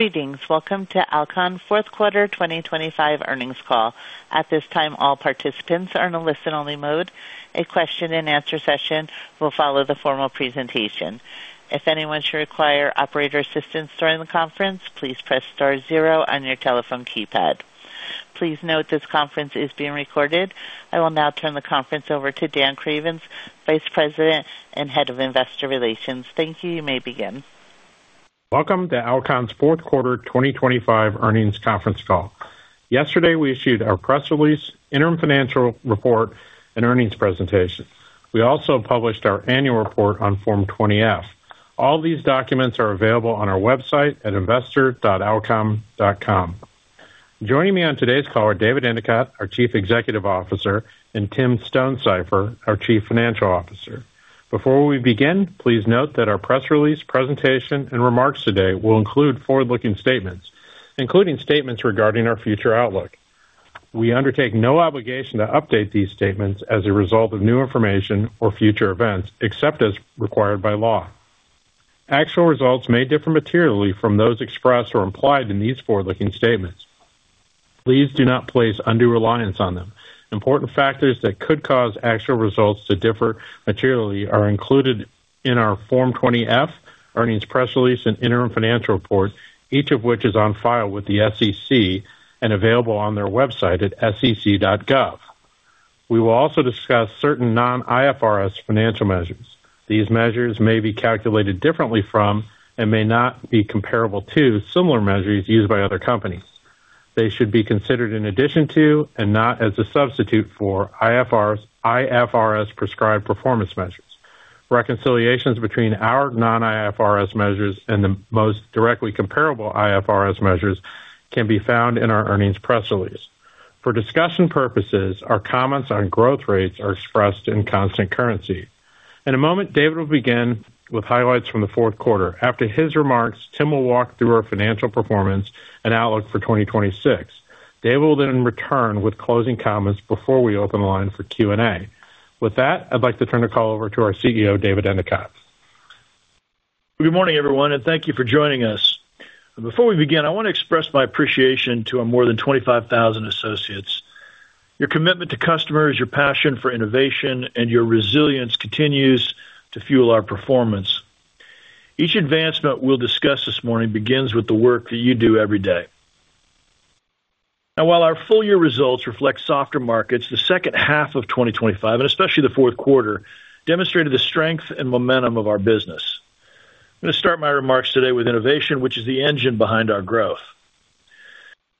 Greetings. Welcome to Alcon fourth quarter 2025 earnings call. At this time, all participants are in a listen-only mode. A question-and-answer session will follow the formal presentation. If anyone should require operator assistance during the conference, please press star zero on your telephone keypad. Please note, this conference is being recorded. I will now turn the conference over to Dan Cravens, Vice President and Head of Investor Relations. Thank you. You may begin. Welcome to Alcon's fourth quarter 2025 earnings conference call. Yesterday, we issued our press release, interim financial report, and earnings presentation. We also published our annual report on Form 20-F. All these documents are available on our website at investor.alcon.com. Joining me on today's call are David Endicott, our Chief Executive Officer, and Tim Stonesifer, our Chief Financial Officer. Before we begin, please note that our press release, presentation, and remarks today will include forward-looking statements, including statements regarding our future outlook. We undertake no obligation to update these statements as a result of new information or future events, except as required by law. Actual results may differ materially from those expressed or implied in these forward-looking statements. Please do not place undue reliance on them. Important factors that could cause actual results to differ materially are included in our Form 20-F, earnings press release, and interim financial report, each of which is on file with the SEC and available on their website at sec.gov. We will also discuss certain non-IFRS financial measures. These measures may be calculated differently from, and may not be comparable to, similar measures used by other companies. They should be considered in addition to, and not as a substitute for, IFRS prescribed performance measures. Reconciliations between our non-IFRS measures and the most directly comparable IFRS measures can be found in our earnings press release. For discussion purposes, our comments on growth rates are expressed in constant currency. In a moment, David will begin with highlights from the fourth quarter. After his remarks, Tim will walk through our financial performance and outlook for 2026. David will return with closing comments before we open the line for Q&A. With that, I'd like to turn the call over to our CEO, David Endicott. Good morning, everyone. Thank you for joining us. Before we begin, I want to express my appreciation to our more than 25,000 associates. Your commitment to customers, your passion for innovation, and your resilience continues to fuel our performance. Each advancement we'll discuss this morning begins with the work that you do every day. While our full year results reflect softer markets, the second half of 2025, and especially the fourth quarter, demonstrated the strength and momentum of our business. I'm going to start my remarks today with innovation, which is the engine behind our growth.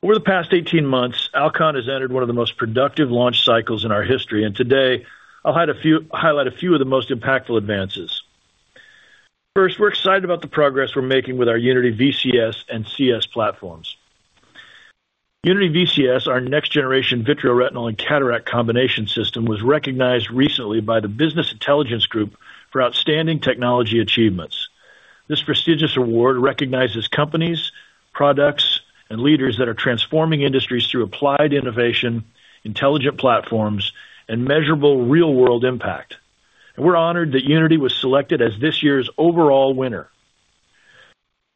Over the past 18 months, Alcon has entered one of the most productive launch cycles in our history, and today I'll highlight a few of the most impactful advances. First, we're excited about the progress we're making with our Unity VCS and CS platforms. Unity VCS, our next-generation Vitreoretinal and cataract combination system, was recognized recently by the Business Intelligence Group for outstanding technology achievements. This prestigious award recognizes companies, products, and leaders that are transforming industries through applied innovation, intelligent platforms, and measurable real-world impact. We're honored that Unity was selected as this year's overall winner.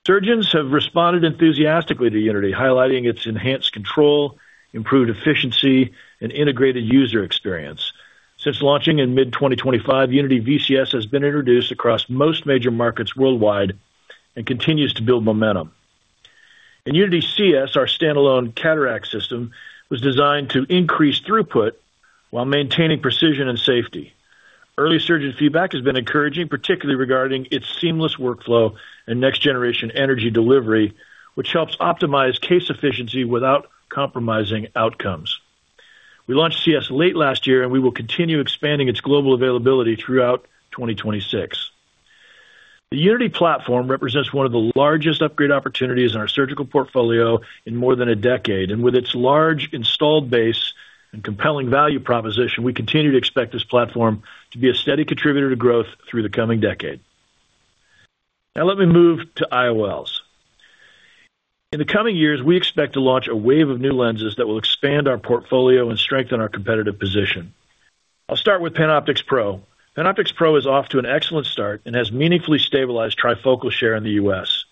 Surgeons have responded enthusiastically to Unity, highlighting its enhanced control, improved efficiency, and integrated user experience. Since launching in mid-2025, Unity VCS has been introduced across most major markets worldwide and continues to build momentum. Unity C S, our standalone cataract system, was designed to increase throughput while maintaining precision and safety. Early surgeon feedback has been encouraging, particularly regarding its seamless workflow and next-generation energy delivery, which helps optimize case efficiency without compromising outcomes. We launched CS late last year, and we will continue expanding its global availability throughout 2026. The Unity platform represents one of the largest upgrade opportunities in our surgical portfolio in more than a decade. With its large installed base and compelling value proposition, we continue to expect this platform to be a steady contributor to growth through the coming decade. Let me move to IOLs. In the coming years, we expect to launch a wave of new lenses that will expand our portfolio and strengthen our competitive position. I'll start with PanOptix Pro. PanOptix Pro is off to an excellent start and has meaningfully stabilized trifocal share in the U.S.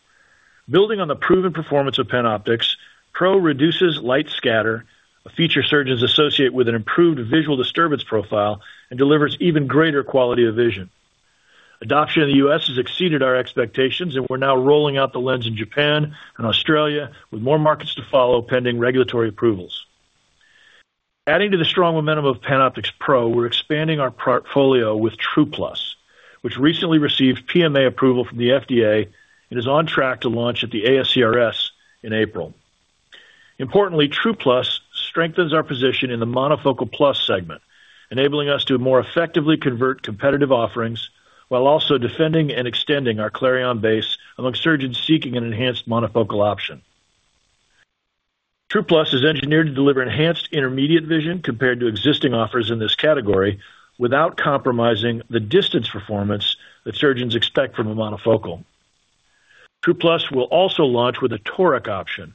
Building on the proven performance of PanOptix, Pro reduces light scatter, a feature surgeons associate with an improved visual disturbance profile and delivers even greater quality of vision. Adoption in the U.S. has exceeded our expectations, and we're now rolling out the lens in Japan and Australia, with more markets to follow, pending regulatory approvals. Adding to the strong momentum of PanOptix Pro, we're expanding our portfolio with TruPlus, which recently received PMA approval from the FDA and is on track to launch at the ASCRS in April. Importantly, TruPlus strengthens our position in the Monofocal plus segment, enabling us to more effectively convert competitive offerings while also defending and extending our Clareon base among surgeons seeking an enhanced Monofocal option. TruPlus is engineered to deliver enhanced intermediate vision compared to existing offers in this category, without compromising the distance performance that surgeons expect from a Monofocal. TruPlus will also launch with a Toric option.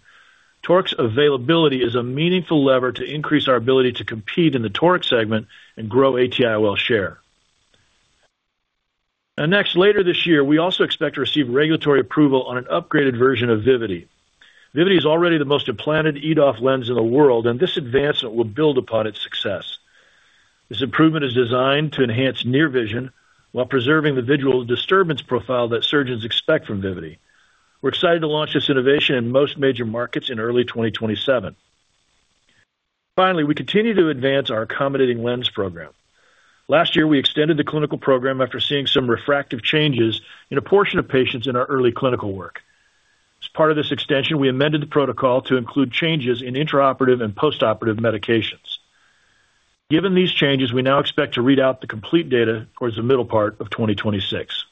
Toric's availability is a meaningful lever to increase our ability to compete in the Toric segment and grow AT-IOL share. Next, later this year, we also expect to receive regulatory approval on an upgraded version of Vivity. Vivity is already the most implanted EDOF lens in the world. This advancement will build upon its success. This improvement is designed to enhance near vision while preserving the visual disturbance profile that surgeons expect from Vivity. We're excited to launch this innovation in most major markets in early 2027. Finally, we continue to advance our accommodating lens program. Last year, we extended the clinical program after seeing some refractive changes in a portion of patients in our early clinical work. As part of this extension, we amended the protocol to include changes in intraoperative and postoperative medications. Given these changes, we now expect to read out the complete data towards the middle part of 2026.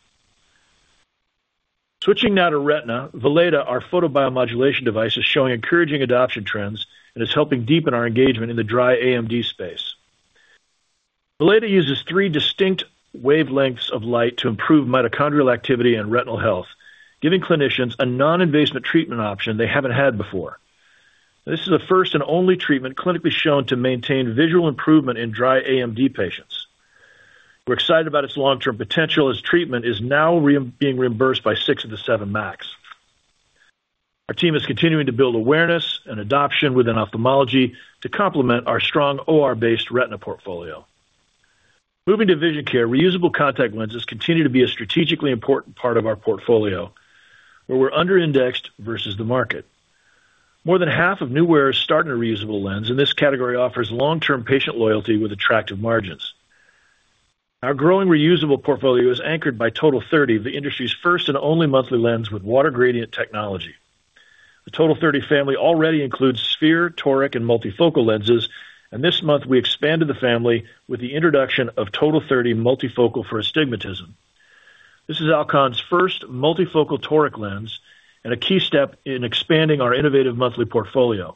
Switching now to Retina. Valeda, our Photobiomodulation device, is showing encouraging adoption trends and is helping deepen our engagement in the dry AMD space. Valeda uses 3 distinct wavelengths of light to improve mitochondrial activity and retinal health, giving clinicians a non-invasive treatment option they haven't had before. This is the first and only treatment clinically shown to maintain visual improvement in dry AMD patients. We're excited about its long-term potential as treatment is now being reimbursed by 6 of the 7 MACs. Our team is continuing to build awareness and adoption within ophthalmology to complement our strong OR-based retina portfolio. Moving to vision care, reusable contact lenses continue to be a strategically important part of our portfolio, where we're under-indexed versus the market. More than half of new wearers start in a reusable lens, and this category offers long-term patient loyalty with attractive margins. Our growing reusable portfolio is anchored by TOTAL30, the industry's first and only monthly lens with water gradient technology. The TOTAL30 family already includes sphere, Toric, and multifocal lenses, and this month we expanded the family with the introduction of TOTAL30 Multifocal for Astigmatism. This is Alcon's first multifocal Toric lens and a key step in expanding our innovative monthly portfolio.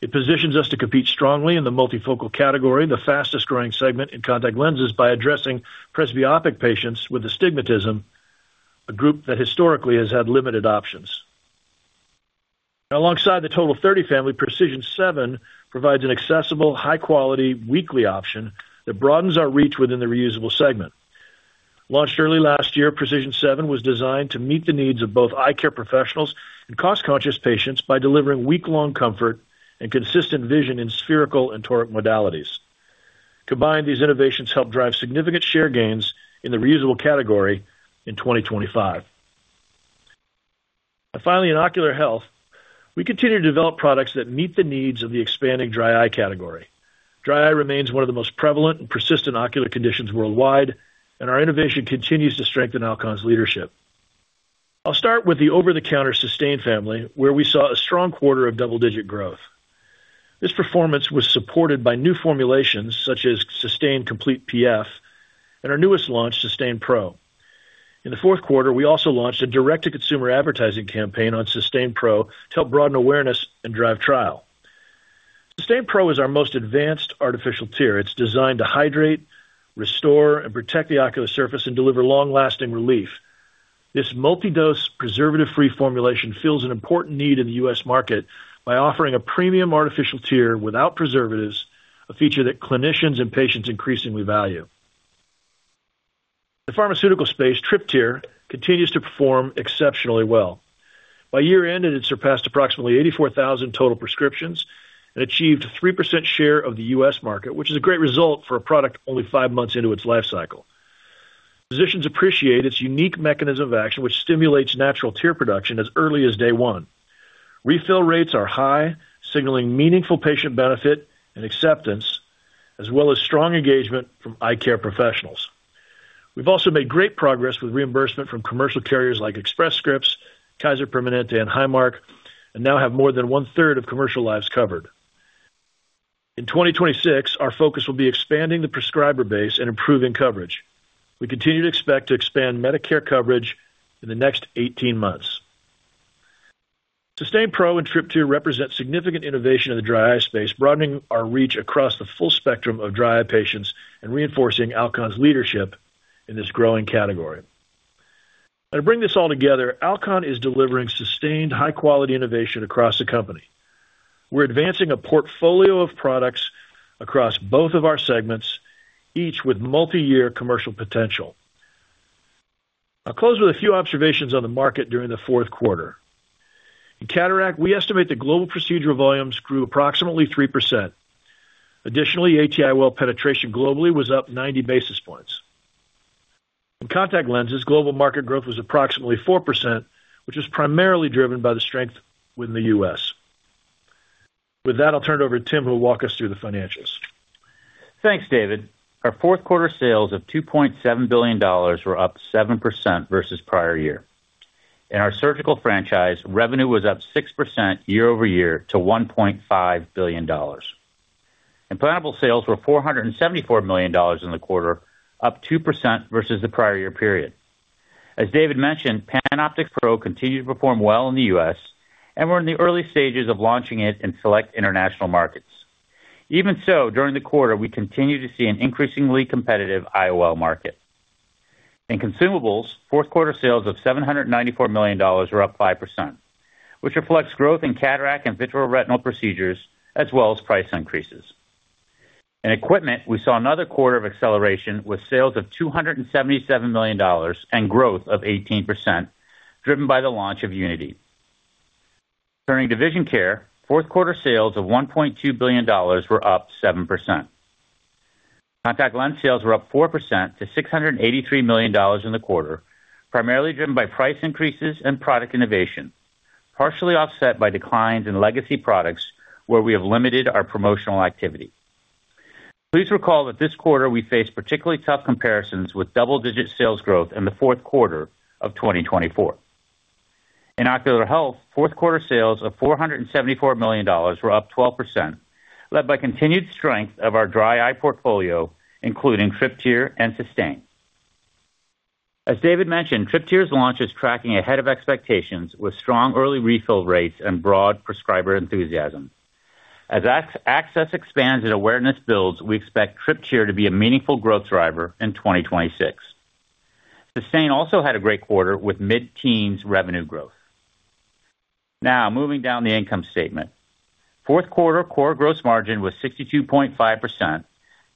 It positions us to compete strongly in the multifocal category, the fastest growing segment in contact lenses, by addressing Presbyopic patients with astigmatism, a group that historically has had limited options. Alongside the TOTAL30 family, PRECISION7 provides an accessible, high-quality, weekly option that broadens our reach within the reusable segment. Launched early last year, PRECISION7 was designed to meet the needs of both eye care professionals and cost-conscious patients by delivering week-long comfort and consistent vision in spherical and Toric modalities. Combined, these innovations help drive significant share gains in the reusable category in 2025. Finally, in ocular health, we continue to develop products that meet the needs of the expanding dry eye category. Dry eye remains one of the most prevalent and persistent ocular conditions worldwide. Our innovation continues to strengthen Alcon's leadership. I'll start with the over-the-counter Systane family, where we saw a strong quarter of double-digit growth. This performance was supported by new formulations such as Systane Complete PF and our newest launch, Systane Pro. In the fourth quarter, we also launched a direct-to-consumer advertising campaign on Systane Pro to help broaden awareness and drive trial. Systane Pro is our most advanced artificial tear. It's designed to hydrate, restore, and protect the ocular surface and deliver long-lasting relief. This multi-dose, preservative-free formulation fills an important need in the U.S. market by offering a premium artificial tear without preservatives, a feature that clinicians and patients increasingly value. In the pharmaceutical space, Tryptyr continues to perform exceptionally well. By year-end, it had surpassed approximately 84,000 total prescriptions and achieved 3% share of the U.S. market, which is a great result for a product only five months into its life cycle. Physicians appreciate its unique mechanism of action, which stimulates natural tear production as early as day one. Refill rates are high, signaling meaningful patient benefit and acceptance, as well as strong engagement from eye care professionals. We've also made great progress with reimbursement from commercial carriers like Express Scripts, Kaiser Permanente, and Highmark, and now have more than 1/3 of commercial lives covered. In 2026, our focus will be expanding the prescriber base and improving coverage. We continue to expect to expand Medicare coverage in the next 18 months. SYSTANE PRO and Tryptyr represent significant innovation in the dry eye space, broadening our reach across the full spectrum of dry eye patients and reinforcing Alcon's leadership in this growing category. To bring this all together, Alcon is delivering sustained, high-quality innovation across the company. We're advancing a portfolio of products across both of our segments, each with multiyear commercial potential. I'll close with a few observations on the market during the fourth quarter. In cataract, we estimate the global procedural volumes grew approximately 3%. Additionally, AT-IOL penetration globally was up 90 bps. In contact lenses, global market growth was approximately 4%, which is primarily driven by the strength within the U.S. With that, I'll turn it over to Tim, who will walk us through the financials. Thanks, David. Our fourth quarter sales of $2.7 billion were up 7% versus prior year. In our surgical franchise, revenue was up 6% year-over-year to $1.5 billion. Implantable sales were $474 million in the quarter, up 2% versus the prior year period. As David mentioned, PanOptix Pro continued to perform well in the U.S., we're in the early stages of launching it in select international markets. Even so, during the quarter, we continued to see an increasingly competitive IOL market. In consumables, fourth quarter sales of $794 million were up 5%, which reflects growth in cataract and Vitreoretinal procedures, as well as price increases.... In equipment, we saw another quarter of acceleration with sales of $277 million and growth of 18%, driven by the launch of Unity. Turning to Vision Care, fourth quarter sales of $1.2 billion were up 7%. Contact lens sales were up 4% to $683 million in the quarter, primarily driven by price increases and product innovation, partially offset by declines in legacy products where we have limited our promotional activity. Please recall that this quarter, we faced particularly tough comparisons with double-digit sales growth in the fourth quarter of 2024. In Ocular Health, fourth quarter sales of $474 million were up 12%, led by continued strength of our dry eye portfolio, including Tryptyr and Systane. As David mentioned, Tryptyr's launch is tracking ahead of expectations with strong early refill rates and broad prescriber enthusiasm. As access expands and awareness builds, we expect Tryptyr to be a meaningful growth driver in 2026. Systane also had a great quarter with mid-teens revenue growth. Moving down the income statement. Fourth quarter core gross margin was 62.5%,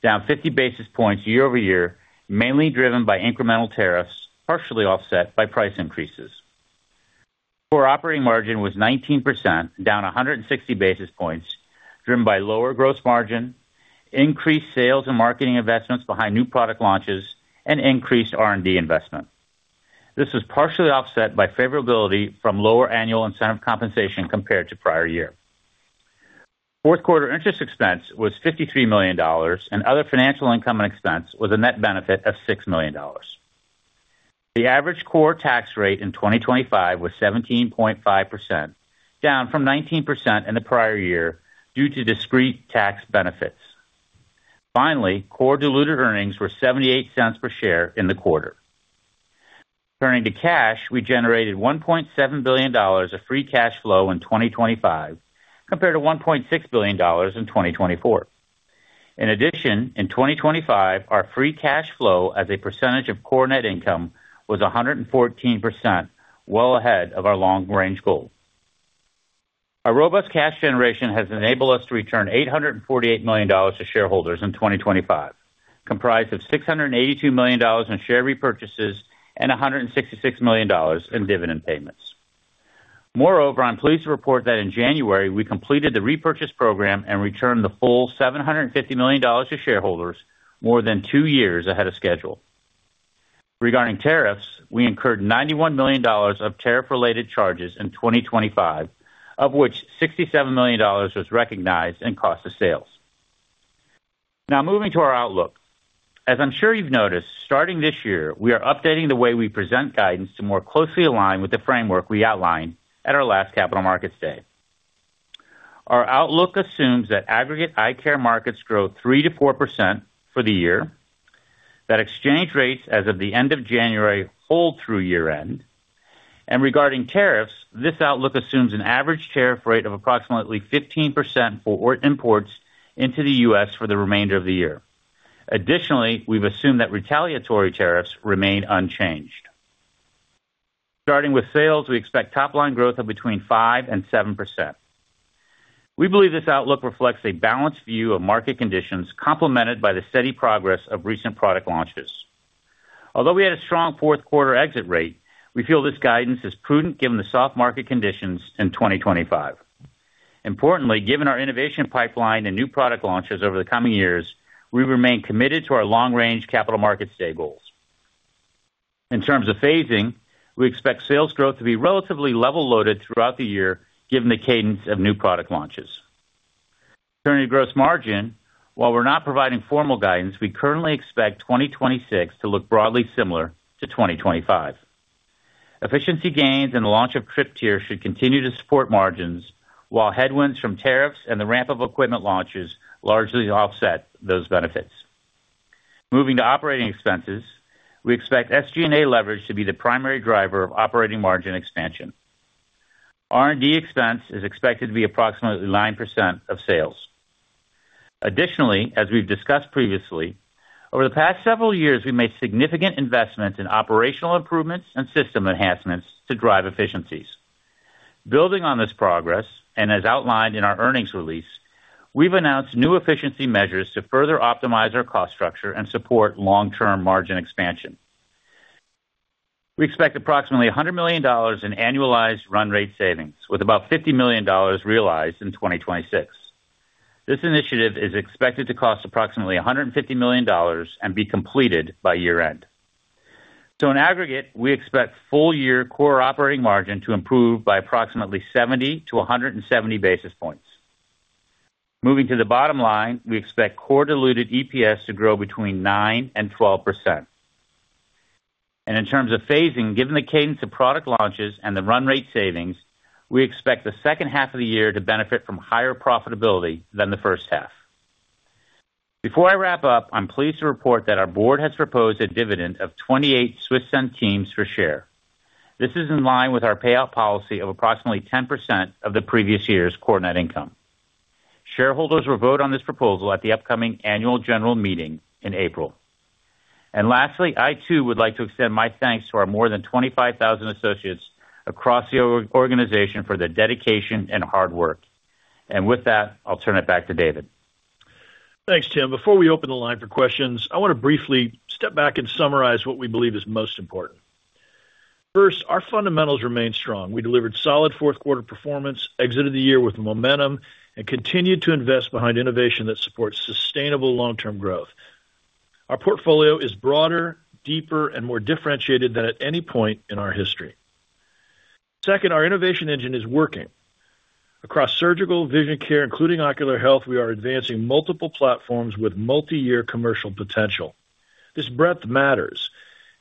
down 50 bps year-over-year, mainly driven by incremental tariffs, partially offset by price increases. Core operating margin was 19%, down 160 bps, driven by lower gross margin, increased sales and marketing investments behind new product launches, and increased R&D investment. This was partially offset by favorability from lower annual incentive compensation compared to prior year. Fourth quarter interest expense was $53 million, and other financial income and expense was a net benefit of $6 million. The average core tax rate in 2025 was 17.5%, down from 19% in the prior year due to discrete tax benefits. Finally, core diluted earnings were $0.78 per share in the quarter. Turning to cash, we generated $1.7 billion of free cash flow in 2025, compared to $1.6 billion in 2024. In addition, in 2025, our free cash flow as a percentage of core net income was 114%, well ahead of our long-range goal. Our robust cash generation has enabled us to return $848 million to shareholders in 2025, comprised of $682 million in share repurchases and $166 million in dividend payments. Moreover, I'm pleased to report that in January, we completed the repurchase program and returned the full $750 million to shareholders, more than two years ahead of schedule. Regarding tariffs, we incurred $91 million of tariff-related charges in 2025, of which $67 million was recognized in cost of sales. Moving to our outlook. As I'm sure you've noticed, starting this year, we are updating the way we present guidance to more closely align with the framework we outlined at our last Capital Markets Day. Our outlook assumes that aggregate eye care markets grow 3%-4% for the year, that exchange rates as of the end of January hold through year-end, and regarding tariffs, this outlook assumes an average tariff rate of approximately 15% for imports into the U.S. for the remainder of the year. Additionally, we've assumed that retaliatory tariffs remain unchanged. Starting with sales, we expect top-line growth of between 5% and 7%. We believe this outlook reflects a balanced view of market conditions, complemented by the steady progress of recent product launches. Although we had a strong fourth quarter exit rate, we feel this guidance is prudent given the soft market conditions in 2025. Importantly, given our innovation pipeline and new product launches over the coming years, we remain committed to our long-range Capital Markets Day goals. In terms of phasing, we expect sales growth to be relatively level-loaded throughout the year, given the cadence of new product launches. Turning to gross margin, while we're not providing formal guidance, we currently expect 2026 to look broadly similar to 2025. Efficiency gains and the launch of Tryptyr should continue to support margins, while headwinds from tariffs and the ramp of equipment launches largely offset those benefits. Moving to operating expenses, we expect SG&A leverage to be the primary driver of operating margin expansion. R&D expense is expected to be approximately 9% of sales. Additionally, as we've discussed previously, over the past several years, we've made significant investments in operational improvements and system enhancements to drive efficiencies. Building on this progress, and as outlined in our earnings release, we've announced new efficiency measures to further optimize our cost structure and support long-term margin expansion. We expect approximately $100 million in annualized run rate savings, with about $50 million realized in 2026. This initiative is expected to cost approximately $150 million and be completed by year-end. In aggregate, we expect full-year core operating margin to improve by approximately 70 to 170 bps. Moving to the bottom line, we expect core diluted EPS to grow between 9% and 12%. In terms of phasing, given the cadence of product launches and the run rate savings, we expect the second half of the year to benefit from higher profitability than the first half. Before I wrap up, I'm pleased to report that our board has proposed a dividend of 28 Swiss centimes for share. This is in line with our payout policy of approximately 10% of the previous year's core net income. Shareholders will vote on this proposal at the upcoming annual general meeting in April. Lastly, I too would like to extend my thanks to our more than 25,000 associates across the organization for their dedication and hard work. With that, I'll turn it back to David. Thanks, Tim. Before we open the line for questions, I want to briefly step back and summarize what we believe is most important. First, our fundamentals remain strong. We delivered solid fourth quarter performance, exited the year with momentum, and continued to invest behind innovation that supports sustainable long-term growth. Our portfolio is broader, deeper, and more differentiated than at any point in our history. Second, our innovation engine is working. Across surgical vision care, including ocular health, we are advancing multiple platforms with multi-year commercial potential. This breadth matters.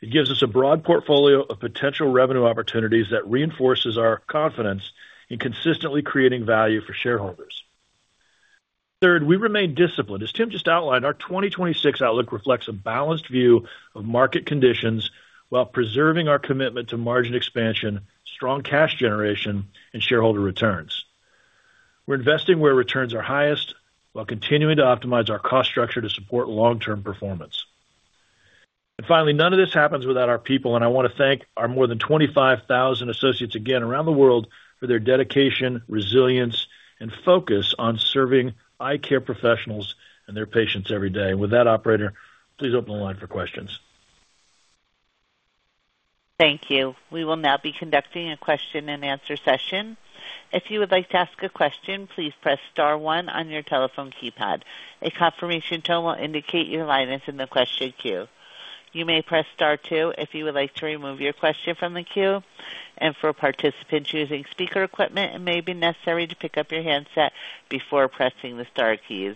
It gives us a broad portfolio of potential revenue opportunities that reinforces our confidence in consistently creating value for shareholders. Third, we remain disciplined. As Tim just outlined, our 2026 outlook reflects a balanced view of market conditions while preserving our commitment to margin expansion, strong cash generation, and shareholder returns. We're investing where returns are highest, while continuing to optimize our cost structure to support long-term performance. Finally, none of this happens without our people, and I want to thank our more than 25,000 associates again around the world for their dedication, resilience, and focus on serving eye care professionals and their patients every day. With that, operator, please open the line for questions. Thank you. We will now be conducting a question-and-answer session. If you would like to ask a question, please press star one on your telephone keypad. A confirmation tone will indicate your line is in the question queue. You may press star two if you would like to remove your question from the queue. For participants using speaker equipment, it may be necessary to pick up your handset before pressing the star keys.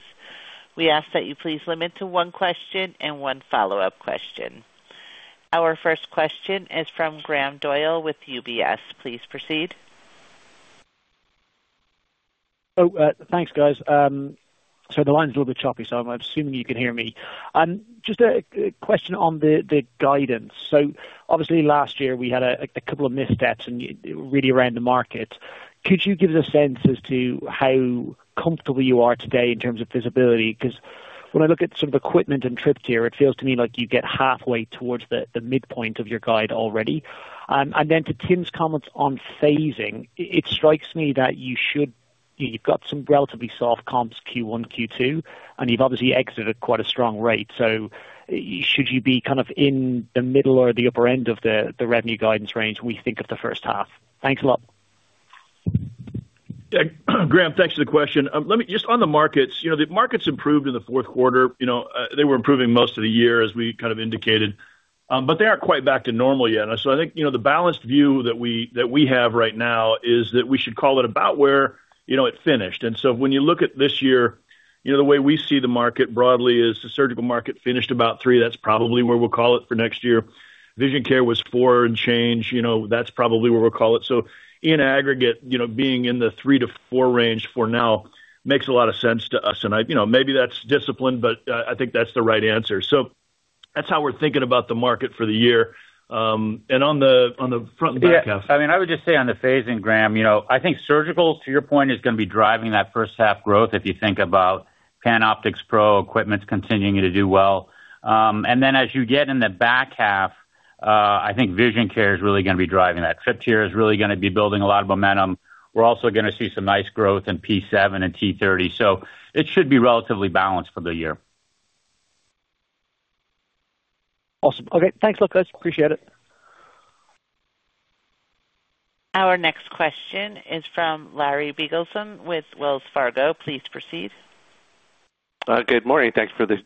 We ask that you please limit to one question and one follow-up question. Our first question is from Graham Doyle with UBS. Please proceed. Thanks, guys. The line's a little bit choppy, so I'm assuming you can hear me. Just a question on the guidance. Obviously last year we had a couple of missteps and really around the market. Could you give us a sense as to how comfortable you are today in terms of visibility? Because when I look at some of the equipment and Tryptyr, it feels to me like you get halfway towards the midpoint of your guide already. To Tim's comments on phasing, it strikes me that you've got some relatively soft comps, Q1, Q2, and you've obviously exited at quite a strong rate. Should you be kind of in the middle or the upper end of the revenue guidance range when we think of the first half? Thanks a lot. Graham, thanks for the question. Just on the markets, you know, the markets improved in the fourth quarter. You know, they were improving most of the year as we kind of indicated, but they aren't quite back to normal yet. I think, you know, the balanced view that we, that we have right now is that we should call it about where, you know, it finished. When you look at this year, you know, the way we see the market broadly is the surgical market finished about 3%. That's probably where we'll call it for next year. Vision care was 4% and change, you know, that's probably where we'll call it. In aggregate, you know, being in the 3 to 4 range for now makes a lot of sense to us, and I, you know, maybe that's disciplined, but I think that's the right answer. That's how we're thinking about the market for the year. On the front of the back half. I mean, I would just say on the phasing, Graham, you know, I think surgicals, to your point, is going to be driving that first half growth, if you think about PanOptix Pro equipment continuing to do well. Then as you get in the back half, I think vision care is really going to be driving that. Tryptyr is really going to be building a lot of momentum. We're also going to see some nice growth in P 7 and T 30. It should be relatively balanced for the year. Awesome. Okay, thanks a lot, guys. Appreciate it. Our next question is from Larry Biegelsen with Wells Fargo. Please proceed. Good morning. Thanks for this,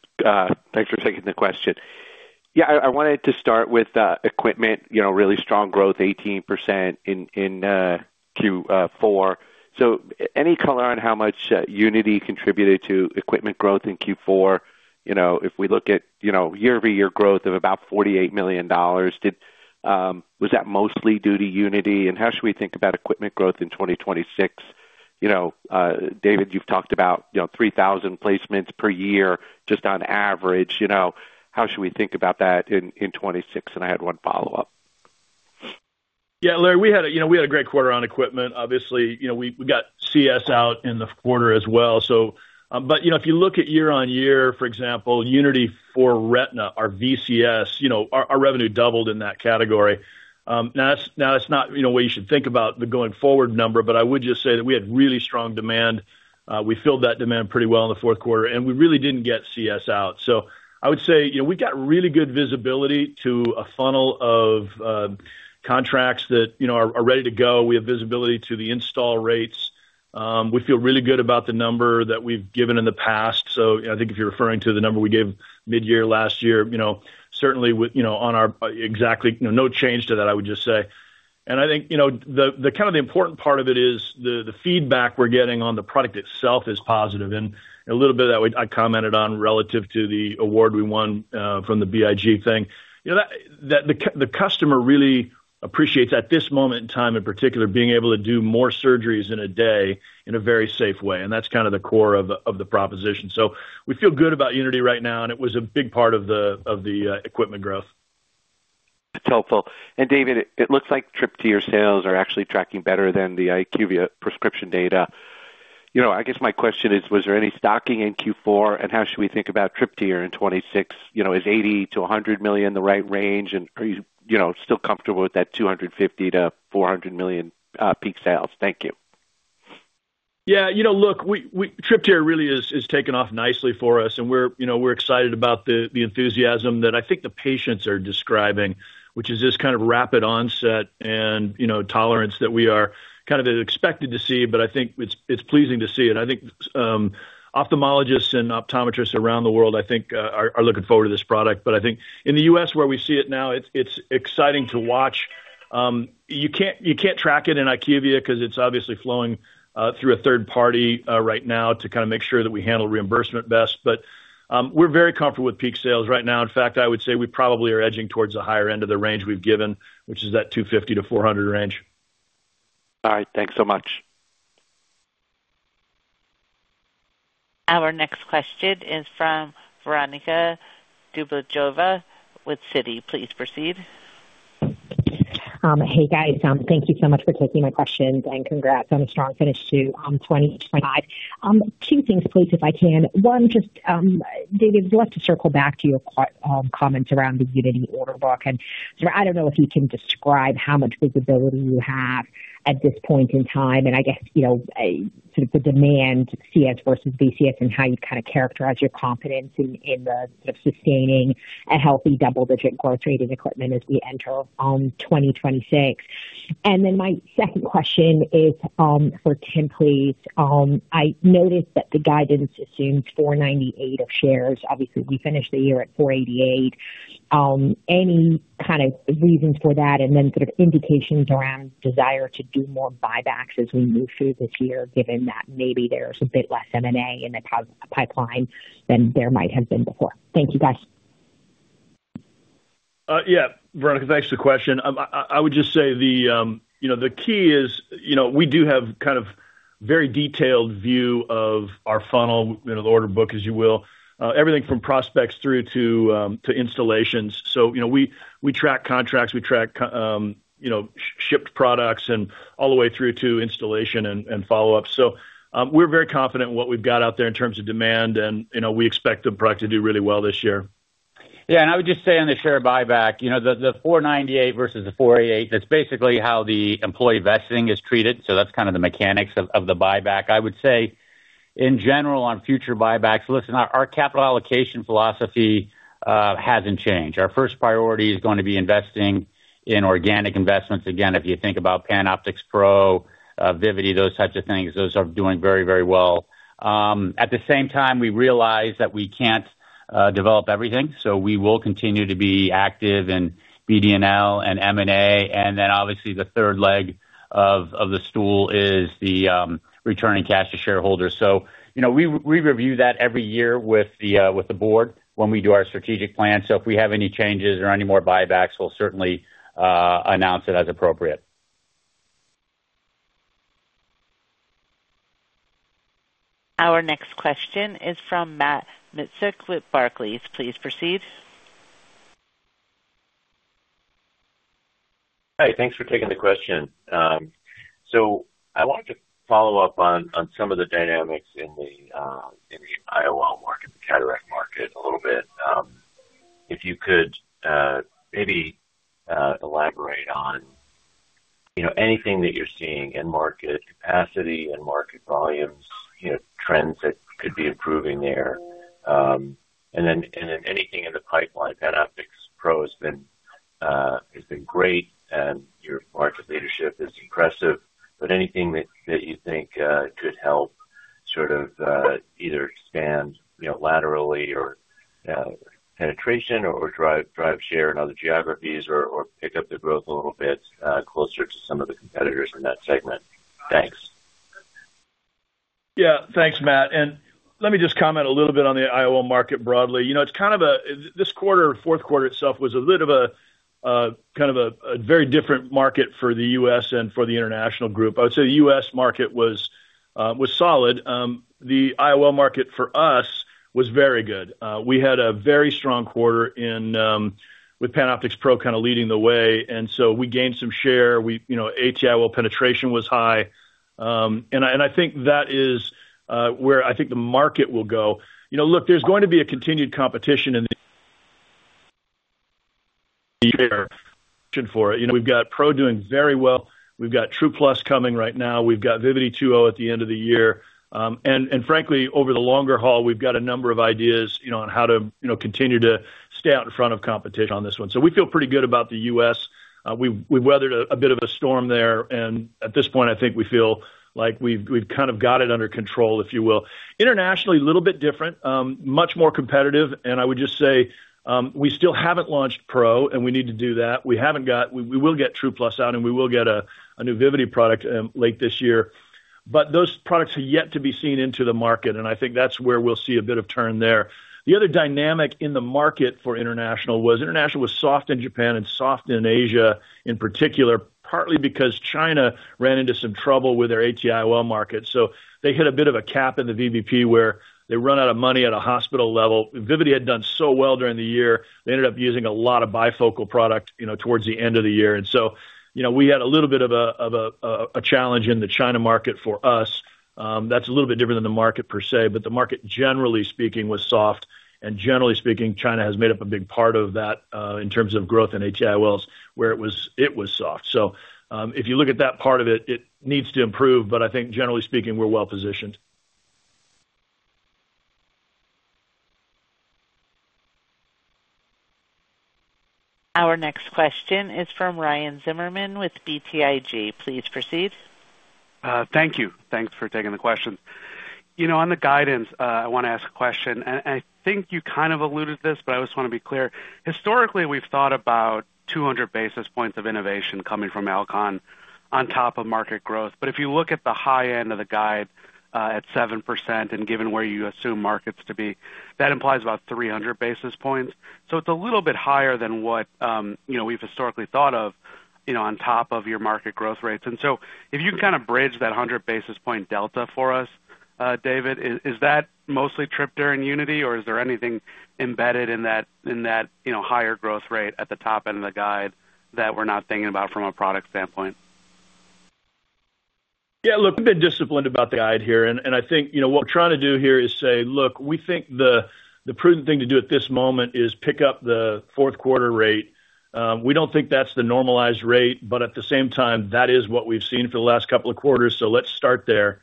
thanks for taking the question. I wanted to start with equipment, you know, really strong growth, 18% in Q4. Any color on how much Unity contributed to equipment growth in Q4? You know, if we look at, you know, year-over-year growth of about $48 million, was that mostly due to Unity, and how should we think about equipment growth in 2026? You know, David, you've talked about, you know, 3,000 placements per year, just on average. You know, how should we think about that in 2026? I had one follow-up. Yeah, Larry, we had a, you know, we had a great quarter on equipment. Obviously, you know, we got Unity C S out in the quarter as well. If you look at year-on-year, for example, Unity for Retina, our Unity VCS, you know, our revenue doubled in that category. Now, that's not, you know, what you should think about the going forward number, but I would just say that we had really strong demand. We filled that demand pretty well in the fourth quarter, and we really didn't get Unity C S out. I would say, you know, we've got really good visibility to a funnel of contracts that, you know, are ready to go. We have visibility to the install rates. We feel really good about the number that we've given in the past. I think if you're referring to the number we gave mid-year last year, you know, certainly with, you know, exactly, you know, no change to that, I would just say. I think, you know, the kind of the important part of it is the feedback we're getting on the product itself is positive. A little bit of that I commented on relative to the award we won from the BIG thing. That the customer really appreciates at this moment in time, in particular, being able to do more surgeries in a day in a very safe way, and that's kind of the core of the proposition. We feel good about Unity right now, and it was a big part of the equipment growth.... helpful. David, it looks like Tryptyr sales are actually tracking better than the IQVIA prescription data. You know, I guess my question is, was there any stocking in Q4, and how should we think about Tryptyr in 2026? You know, is $80 million-$100 million the right range? Are you know, still comfortable with that $250 million-$400 million peak sales? Thank you. Yeah, you know, look, we Tryptyr really is taking off nicely for us, we're, you know, we're excited about the enthusiasm that I think the patients are describing, which is this kind of rapid onset and, you know, tolerance that we are kind of expected to see, I think it's pleasing to see it. I think ophthalmologists and optometrists around the world, I think, are looking forward to this product. I think in the U.S., where we see it now, it's exciting to watch. You can't track it in IQVIA because it's obviously flowing through a third party right now to kind of make sure that we handle reimbursement best. We're very comfortable with peak sales right now. In fact, I would say we probably are edging towards the higher end of the range we've given, which is that 250-400 range. All right. Thanks so much. Our next question is from Veronika Dubajova with Citi. Please proceed. Hey, guys, thank you so much for taking my questions. Congrats on a strong finish to 2025. Two things, please, if I can. One, just David, let's just circle back to your comments around the Unity order book. I don't know if you can describe how much visibility you have at this point in time, and I guess, you know, sort of the demand CS versus VCS and how you kind of characterize your confidence in sustaining a healthy double-digit growth rate in equipment as we enter 2026. My second question is for Tim, please. I noticed that the guidance assumes 498 of shares. Obviously, we finished the year at 488. Any kind of reason for that, and then sort of indications around desire to do more buybacks as we move through this year, given that maybe there's a bit less M&A in the top pipeline than there might have been before? Thank you, guys. Yeah, Veronika, thanks for the question. I would just say the, you know, the key is, you know, we do have kind of very detailed view of our funnel, you know, the order book, as you will. Everything from prospects through to installations. You know, we track contracts, we track, you know, shipped products and all the way through to installation and follow-up. We're very confident in what we've got out there in terms of demand, and, you know, we expect the product to do really well this year. I would just say on the share buyback, you know, the 498 versus the 488, that's basically how the employee vesting is treated, so that's kind of the mechanics of the buyback. I would say, in general, on future buybacks, listen, our capital allocation philosophy hasn't changed. Our first priority is going to be investing in organic investments. Again, if you think about PanOptix Pro, Vivity, those types of things, those are doing very, very well. At the same time, we realize that we can't develop everything, so we will continue to be active in BD&L and M&A, and then obviously the third leg of the stool is the returning cash to shareholders. You know, we review that every year with the board when we do our strategic plan. If we have any changes or any more buybacks, we'll certainly announce it as appropriate. Our next question is from Matt Miksic with Barclays. Please proceed. Hi, thanks for taking the question. I wanted to follow up on some of the dynamics in the IOL market, the cataract market, a little bit. If you could, maybe, elaborate on, you know, anything that you're seeing in market capacity and market volumes, you know, trends that could be improving there. Then anything in the pipeline, PanOptix Pro has been great, and your market leadership is impressive, but anything that you think, could help sort of, either expand, you know, laterally or penetration or drive share in other geographies or pick up the growth a little bit closer to some of the competitors in that segment? Thanks. Yeah. Thanks, Matt. Let me just comment a little bit on the IOL market broadly. You know, it's kind of this quarter, fourth quarter itself, was a bit of a kind of a very different market for the U.S. and for the international group. I would say the U.S. market was solid. The IOL market for us was very good. We had a very strong quarter in with PanOptix Pro kind of leading the way, so we gained some share. We, you know, ATIOL penetration was high. I think that is where I think the market will go. You know, look, there's going to be a continued competition in the year for it. You know, we've got Pro doing very well. We've got TRU Plus coming right now. We've got Vivity 2.0 at the end of the year. Frankly, over the longer haul, we've got a number of ideas, you know, on how to, you know, continue to stay out in front of competition on this one. We feel pretty good about the U.S. We weathered a bit of a storm there, and at this point, I think we feel like we've kind of got it under control, if you will. Internationally, a little bit different, much more competitive, I would just say, we still haven't launched Pro, and we need to do that. We will get TRU Plus out, and we will get a new Vivity product late this year. Those products are yet to be seen into the market, and I think that's where we'll see a bit of turn there. The other dynamic in the market for international was international was soft in Japan and soft in Asia, in particular, partly because China ran into some trouble with their ATIOL market. They hit a bit of a cap in the VVP, where they run out of money at a hospital level. Vivity had done so well during the year, they ended up using a lot of bifocal product, you know, towards the end of the year. You know, we had a little bit of a challenge in the China market for us. That's a little bit different than the market per se, but the market, generally speaking, was soft, and generally speaking, China has made up a big part of that in terms of growth in IOLs, where it was soft. If you look at that part of it needs to improve, but I think generally speaking, we're well-positioned. Our next question is from Ryan Zimmerman with BTIG. Please proceed. Thank you. Thanks for taking the question. You know, on the guidance, I want to ask a question, and I think you kind of alluded to this, but I just want to be clear. HisTorically, we've thought about 200 bps of innovation coming from Alcon on top of market growth. If you look at the high end of the guide, at 7%, and given where you assume markets to be, that implies about 300 bps. It's a little bit higher than what, you know, we've hisTorically thought of, you know, on top of your market growth rates. If you can kind of bridge that 100 bp delta for us, David, is that mostly Tryptyr Unity, or is there anything embedded in that, you know, higher growth rate at the top end of the guide that we're not thinking about from a product standpoint? Look, we've been disciplined about the guide here, I think, you know, what we're trying to do here is say, look, we think the prudent thing to do at this moment is pick up the fourth quarter rate. We don't think that's the normalized rate, at the same time, that is what we've seen for the last couple of quarters, let's start there.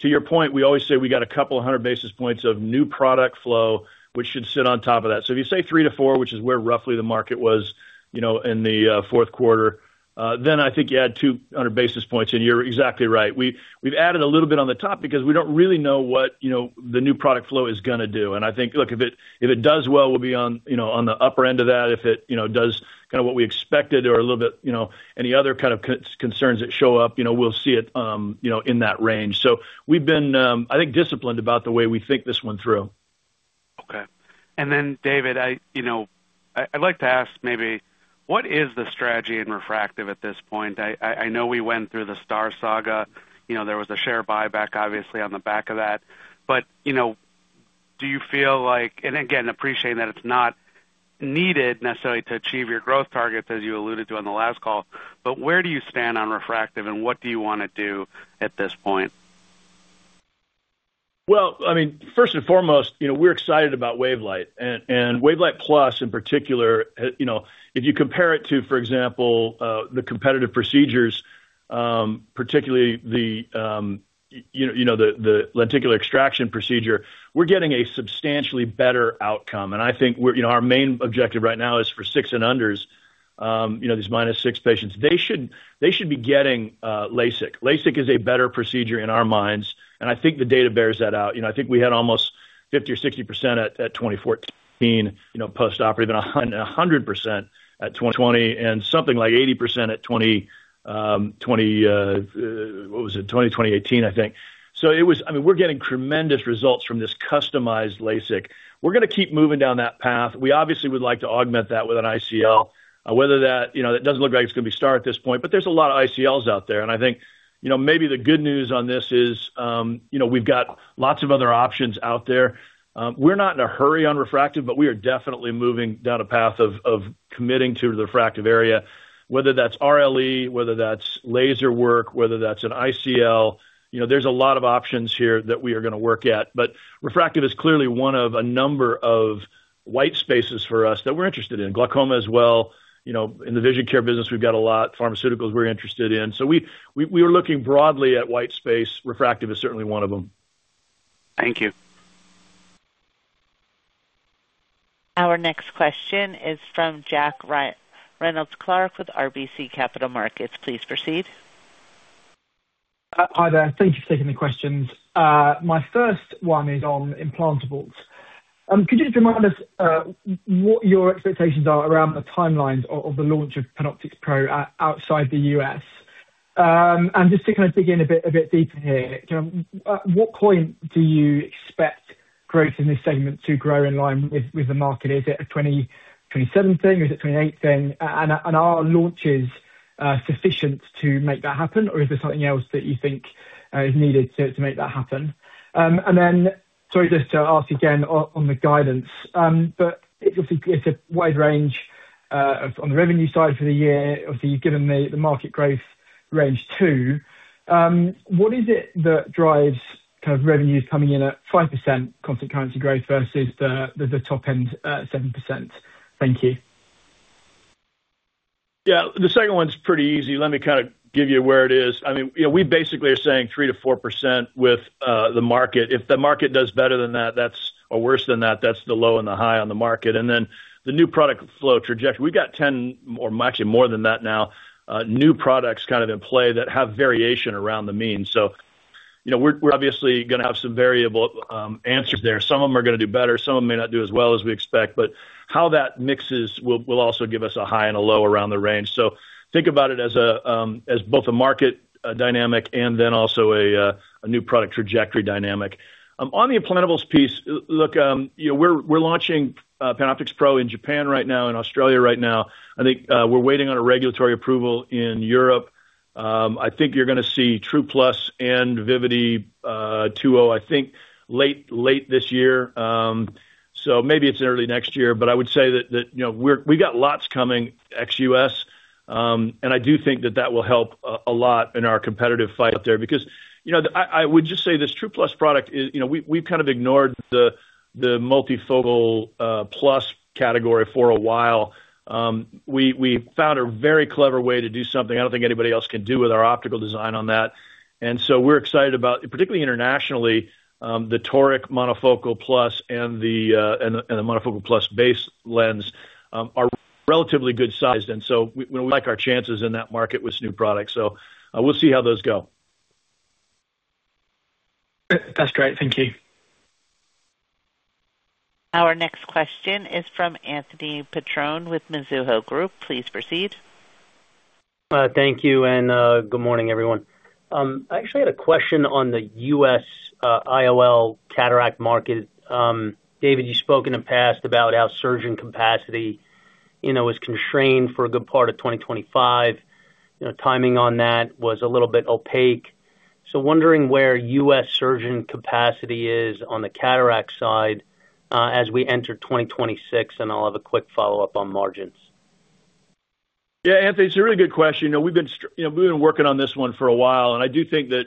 To your point, we always say we got a couple of 100 bps of new product flow, which should sit on top of that. If you say 3%-4%, which is where roughly the market was, you know, in the fourth quarter, I think you add 200 bps, you're exactly right. We've added a little bit on the top because we don't really know what, you know, the new product flow is gonna do. I think, look, if it, if it does well, we'll be on, you know, on the upper end of that. If it, you know, does kind of what we expected or a little bit, you know, any other kind of concerns that show up, you know, we'll see it, you know, in that range. We've been, I think, disciplined about the way we think this one through. David, I, you know, I'd like to ask maybe, what is the strategy in refractive at this point? I know we went through the STAAR saga. You know, there was a share buyback, obviously, on the back of that. You know, do you feel like... And again, appreciating that it's not needed necessarily to achieve your growth targets, as you alluded to on the last call, but where do you stand on refractive, and what do you want to do at this point? Well, I mean, first and foremost, you know, we're excited about WaveLight and WaveLight plus, in particular. You know, if you compare it to, for example, the competitive procedures, particularly the, you know, the lenticule extraction procedure, we're getting a substantially better outcome. I think we're, you know, our main objective right now is for six and unders, you know, these minus six patients, they should be getting LASIK. LASIK is a better procedure in our minds, and I think the data bears that out. You know, I think we had almost 50% or 60% at 2014, you know, postoperative, 100% at 2020, and something like 80% at 2018, I think. It was. I mean, we're getting tremendous results from this customized LASIK. We're gonna keep moving down that path. We obviously would like to augment that with an ICL. Whether that, you know, it doesn't look like it's going to be STAAR at this point, there's a lot of ICLs out there. I think, you know, maybe the good news on this is, you know, we've got lots of other options out there. We're not in a hurry on refractive, we are definitely moving down a path of committing to the refractive area, whether that's RLE, whether that's laser work, whether that's an ICL. You know, there's a lot of options here that we are going to work at, refractive is clearly one of a number of white spaces for us that we're interested in. Glaucoma as well. You know, in the vision care business, we've got a lot, pharmaceuticals we're interested in. We are looking broadly at white space. Refractive is certainly one of them. Thank you. Our next question is from Jack Reynolds-Clark with RBC Capital Markets. Please proceed. Hi there. Thank you for taking the questions. My first one is on implantables. Could you just remind us what your expectations are around the timelines of the launch of PanOptix Pro outside the U.S.? Just to kind of dig in a bit deeper here, what point do you expect growth in this segment to grow in line with the market? Is it 2017, or is it 2018? Are launches sufficient to make that happen, or is there something else that you think is needed to make that happen? Sorry, just to ask again on the guidance, it's a wide range on the revenue side for the year. Obviously, you've given the market growth range, too. What is it that drives kind of revenues coming in at 5% constant currency growth versus the top end 7%? Thank you. The second one's pretty easy. Let me kind of give you where it is. I mean, you know, we basically are saying 3%-4% with the market. If the market does better than that's or worse than that's the low and the high on the market. The new product flow trajectory. We've got 10 or actually more than that now, new products kind of in play that have variation around the mean. You know, we're obviously gonna have some variable answers there. Some of them are gonna do better, some of them may not do as well as we expect, but how that mixes will also give us a high and a low around the range. Think about it as a as both a market dynamic and then also a new product trajectory dynamic. On the implantables piece, look, you know, we're launching PanOptix Pro in Japan right now, in Australia right now. I think we're waiting on a regulatory approval in Europe. I think you're gonna see Tryptyr and Vivity 2.0, I think late this year, so maybe it's early next year, but I would say that, you know, we've got lots coming ex-U.S. And I do think that that will help a lot in our competitive fight out there, because, you know, I would just say this Tryptyr product is, you know, we've kind of ignored the multifocal plus category for a while. We found a very clever way to do something I don't think anybody else can do with our optical design on that. We're excited about, particularly internationally, the Toric Monofocal plus and the Monofocal plus base lens are relatively good sized. We like our chances in that market with this new product. We'll see how those go. That's great. Thank you. Our next question is from Anthony Petrone with Mizuho Group. Please proceed. Thank you, good morning, everyone. I actually had a question on the U.S. IOL cataract market. David, you spoke in the past about how surgeon capacity, you know, is constrained for a good part of 2025. You know, timing on that was a little bit opaque. Wondering where U.S. surgeon capacity is on the cataract side as we enter 2026. I'll have a quick follow-up on margins. Anthony, it's a really good question. You know, we've been working on this one for a while, and I do think that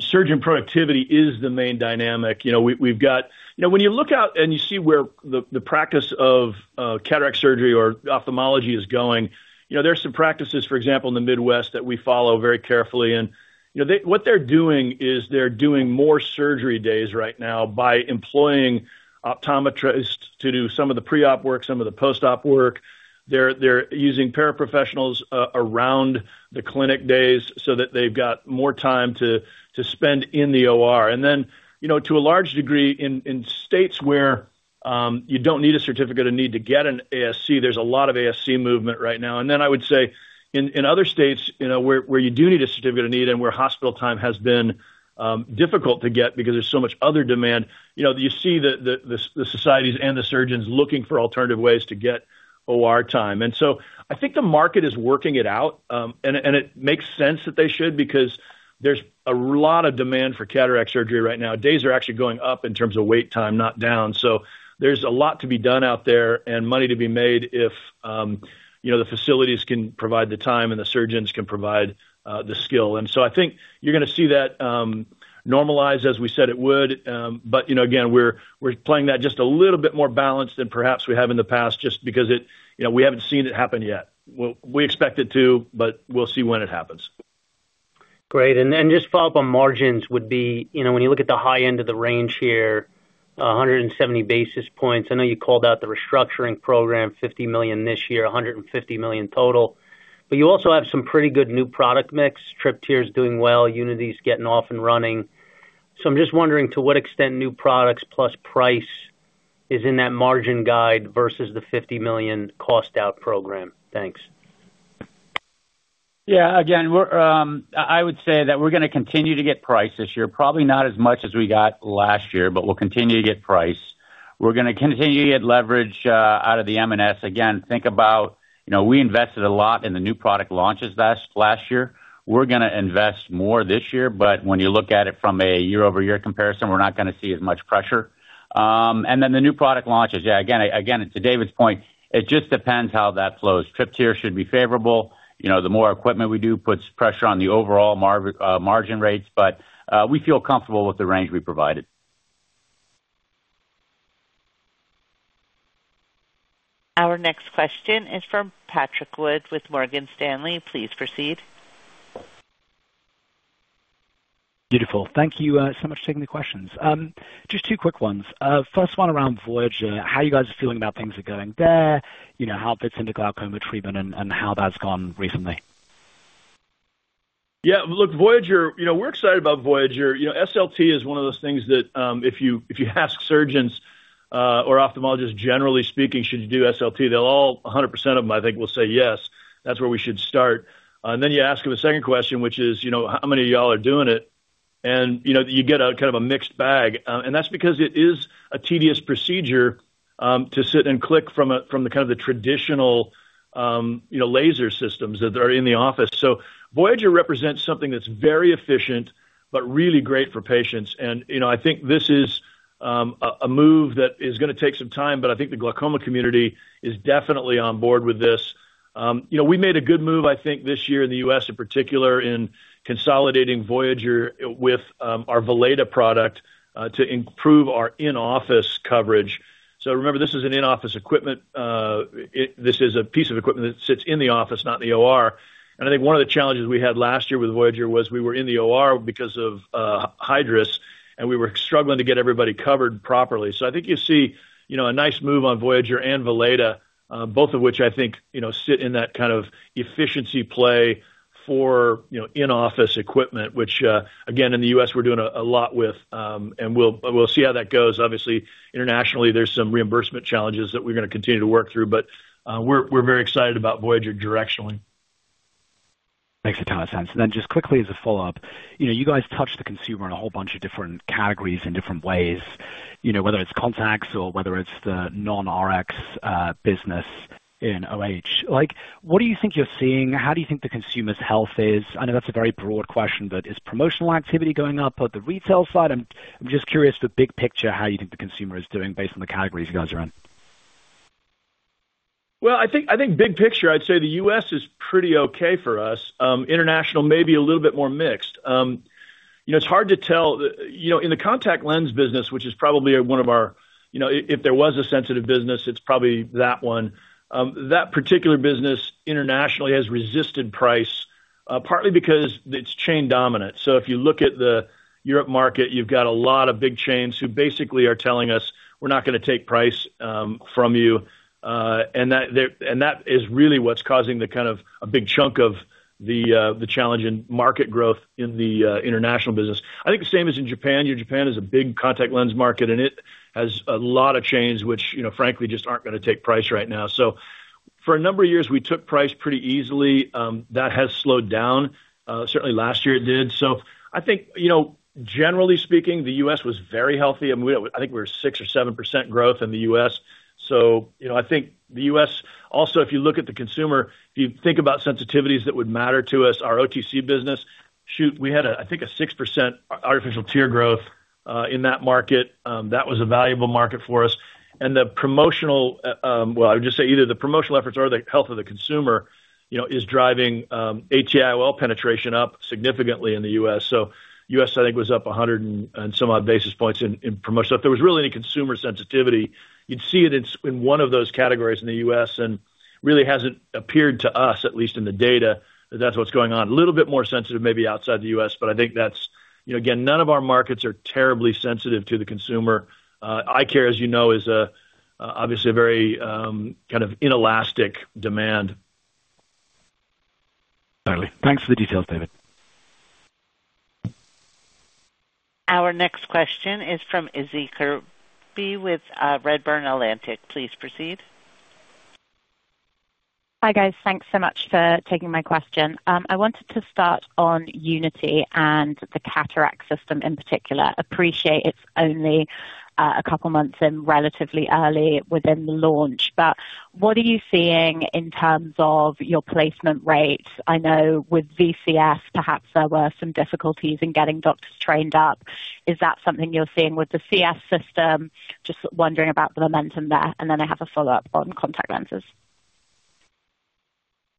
surgeon productivity is the main dynamic. You know, we've got. You know, when you look out and you see where the practice of cataract surgery or ophthalmology is going, you know, there are some practices, for example, in the Midwest, that we follow very carefully, and, you know, what they're doing is they're doing more surgery days right now by employing optometrists to do some of the pre-op work, some of the post-op work. They're using paraprofessionals around the clinic days so that they've got more time to spend in the OR. You know, to a large degree, in states where you don't need a certificate or need to get an ASC, there's a lot of ASC movement right now. I would say, in other states, you know, where you do need a certificate of need and where hospital time has been difficult to get because there's so much other demand, you know, you see the societies and the surgeons looking for alternative ways to get OR time. I think the market is working it out, and it makes sense that they should, because there's a lot of demand for cataract surgery right now. Days are actually going up in terms of wait time, not down. There's a lot to be done out there and money to be made if, you know, the facilities can provide the time and the surgeons can provide the skill. I think you're going to see that normalize as we said it would, but, you know, again, we're playing that just a little bit more balanced than perhaps we have in the past, just because it, you know, we haven't seen it happen yet. We expect it to, but we'll see when it happens. Great. Just follow up on margins would be, you know, when you look at the high end of the range here, 170 bps, I know you called out the restructuring program, $50 million this year, $150 million total, but you also have some pretty good new product mix. Tryptyr is doing well, Unity is getting off and running. I'm just wondering to what extent new products plus price is in that margin guide versus the $50 million cost out program. Thanks. Yeah, again, we're, I would say that we're going to continue to get price this year, probably not as much as we got last year, but we'll continue to get price. We're going to continue to get leverage out of the M&S. Think about, you know, we invested a lot in the new product launches last year. We're going to invest more this year, when you look at it from a year-over-year comparison, we're not going to see as much pressure. The new product launches. Again, to David's point, it just depends how that flows. Tryptyr should be favorable. You know, the more equipment we do puts pressure on the overall margin rates, we feel comfortable with the range we provided. Our next question is from Patrick Wood with Morgan Stanley. Please proceed. Beautiful. Thank you, so much for taking the questions. Just two quick ones. First one around Voyager. How are you guys feeling about things are going there? You know, how it fits into glaucoma treatment and how that's gone recently? Yeah, look, Voyager, you know, we're excited about Voyager. You know, SLT is one of those things that, if you, if you ask surgeons, or ophthalmologists, generally speaking, should you do SLT? They'll all, 100% of them, I think, will say, "Yes, that's where we should start." You ask them a second question, which is, you know, how many of y'all are doing it? You know, you get a kind of a mixed bag, and that's because it is a tedious procedure, to sit and click from the kind of the traditional, you know, laser systems that are in the office. Voyager represents something that's very efficient, but really great for patients. You know, I think this is a move that is going to take some time, but I think the glaucoma community is definitely on board with this. You know, we made a good move, I think, this year in the U.S., in particular, in consolidating Voyager with our Valeda product to improve our in-office coverage. Remember, this is an in-office equipment. This is a piece of equipment that sits in the office, not in the OR. I think one of the challenges we had last year with Voyager was we were in the OR because of Hydrus, and we were struggling to get everybody covered properly. I think you see, you know, a nice move on Voyager and Valeda, both of which I think, you know, sit in that kind of efficiency play for, you know, in-office equipment, which again, in the U.S., we're doing a lot with, and we'll see how that goes. Obviously, internationally, there's some reimbursement challenges that we're going to continue to work through, but we're very excited about Voyager directionally. Makes a ton of sense. Just quickly, as a follow-up, you know, you guys touch the consumer in a whole bunch of different categories in different ways. You know, whether it's contacts or whether it's the non-RX business in OTC. Like, what do you think you're seeing? How do you think the consumer's health is? I know that's a very broad question, but is promotional activity going up on the retail side? I'm just curious, the big picture, how you think the consumer is doing based on the categories you guys are in. Well, I think big picture, I'd say the U.S. is pretty okay for us. International, maybe a little bit more mixed. You know, it's hard to tell. You know, in the contact lens business, which is probably one of our, you know, if there was a sensitive business, it's probably that one. That particular business internationally has resisted price, partly because it's chain dominant. If you look at the Europe market, you've got a lot of big chains who basically are telling us, "We're not gonna take price from you." That, and that is really what's causing the kind of a big chunk of the challenge in market growth in the international business. I think the same as in Japan. You know, Japan is a big contact lens market, and it has a lot of chains which, you know, frankly, just aren't gonna take price right now. For a number of years, we took price pretty easily. That has slowed down. Certainly last year it did. I think, you know, generally speaking, the U.S. was very healthy, and I think we're 6% or 7% growth in the U.S. I think, you know, the U.S. Also, if you look at the consumer, if you think about sensitivities that would matter to us, our OTC business, shoot, we had, I think, a 6% artificial tear growth in that market. That was a valuable market for us. The promotional, well, I would just say either the promotional efforts or the health of the consumer, you know, is driving AT-IOL penetration up significantly in the U.S. U.S., I think, was up 100 and some odd bps in promotion. If there was really any consumer sensitivity, you'd see it in one of those categories in the U.S., and really hasn't appeared to us, at least in the data, that that's what's going on. A little bit more sensitive, maybe outside the U.S., but I think that's. You know, again, none of our markets are terribly sensitive to the consumer. Eye care, as you know, is obviously a very kind of inelastic demand. Got it. Thanks for the details, David. Our next question is from Issie Kirby with Redburn Atlantic. Please proceed. Hi, guys. Thanks so much for taking my question. I wanted to start on Unity and the Cataract System in particular. Appreciate it's only a couple months in, relatively early within the launch, but what are you seeing in terms of your placement rates? I know with VCS, perhaps there were some difficulties in getting doctors trained up. Is that something you're seeing with the CS System? Just wondering about the momentum there, and then I have a follow-up on contact lenses?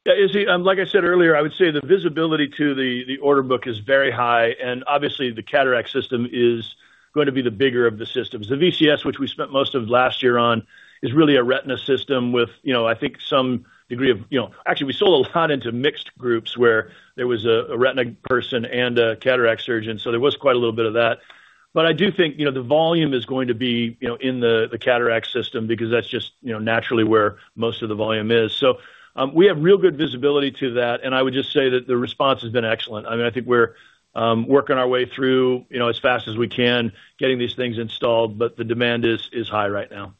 Issie, like I said earlier, I would say the visibility to the order book is very high, and obviously, the cataract system is going to be the bigger of the systems. The VCS, which we spent most of last year on, is really a retina system with, you know, I think some degree of... Actually, we sold a lot into mixed groups where there was a retina person and a cataract surgeon, so there was quite a little bit of that. I do think the volume is going to be in the cataract system because that's just naturally where most of the volume is. We have real good visibility to that, and I would just say that the response has been excellent. I mean, I think we're working our way through, you know, as fast as we can, getting these things installed, but the demand is high right now.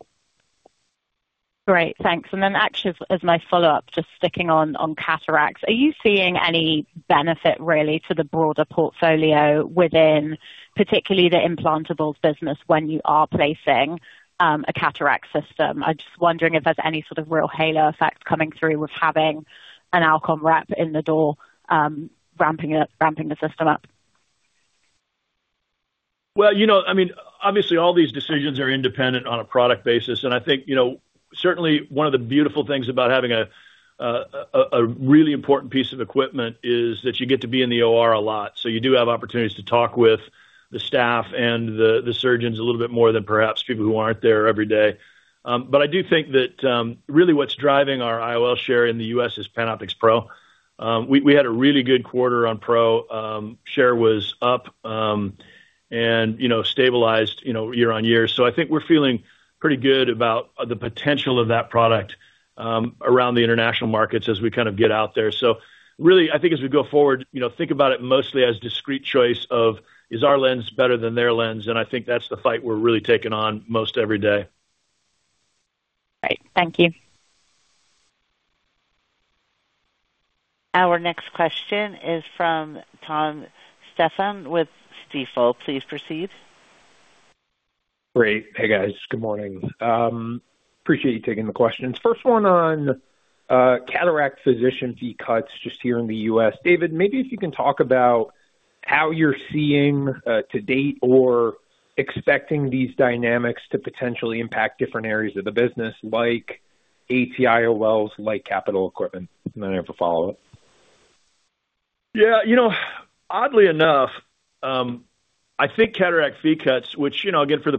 Great, thanks. As my follow-up, just sticking on cataracts, are you seeing any benefit really to the broader portfolio within particularly the implantables business when you are placing a cataract system? I'm just wondering if there's any sort of real halo effect coming through with having an Alcon rep in the door, ramping it, ramping the system up? You know, I mean, obviously, all these decisions are independent on a product basis, and I think, you know, certainly one of the beautiful things about having a, a really important piece of equipment is that you get to be in the OR a lot, so you do have opportunities to talk with the staff and the surgeons a little bit more than perhaps people who aren't there every day. I do think that really what's driving our IOL share in the U.S. is PanOptix Pro. We had a really good quarter on Pro. Share was up, you know, stabilized, you know, year on year. I think we're feeling pretty good about the potential of that product around the international markets as we kind of get out there. Really, I think as we go forward, you know, think about it mostly as discrete choice of, is our lens better than their lens? I think that's the fight we're really taking on most every day. Great. Thank you. Our next question is from Tom Stephan with Stifel. Please proceed. Great. Hey, guys. Good morning. Appreciate you taking the questions. First one on cataract physician fee cuts just here in the U.S. David, maybe if you can talk about how you're seeing to date or expecting these dynamics to potentially impact different areas of the business, like AT-IOLs, like capital equipment. I have a follow-up. You know, oddly enough, I think cataract fee cuts, which, you know, again, for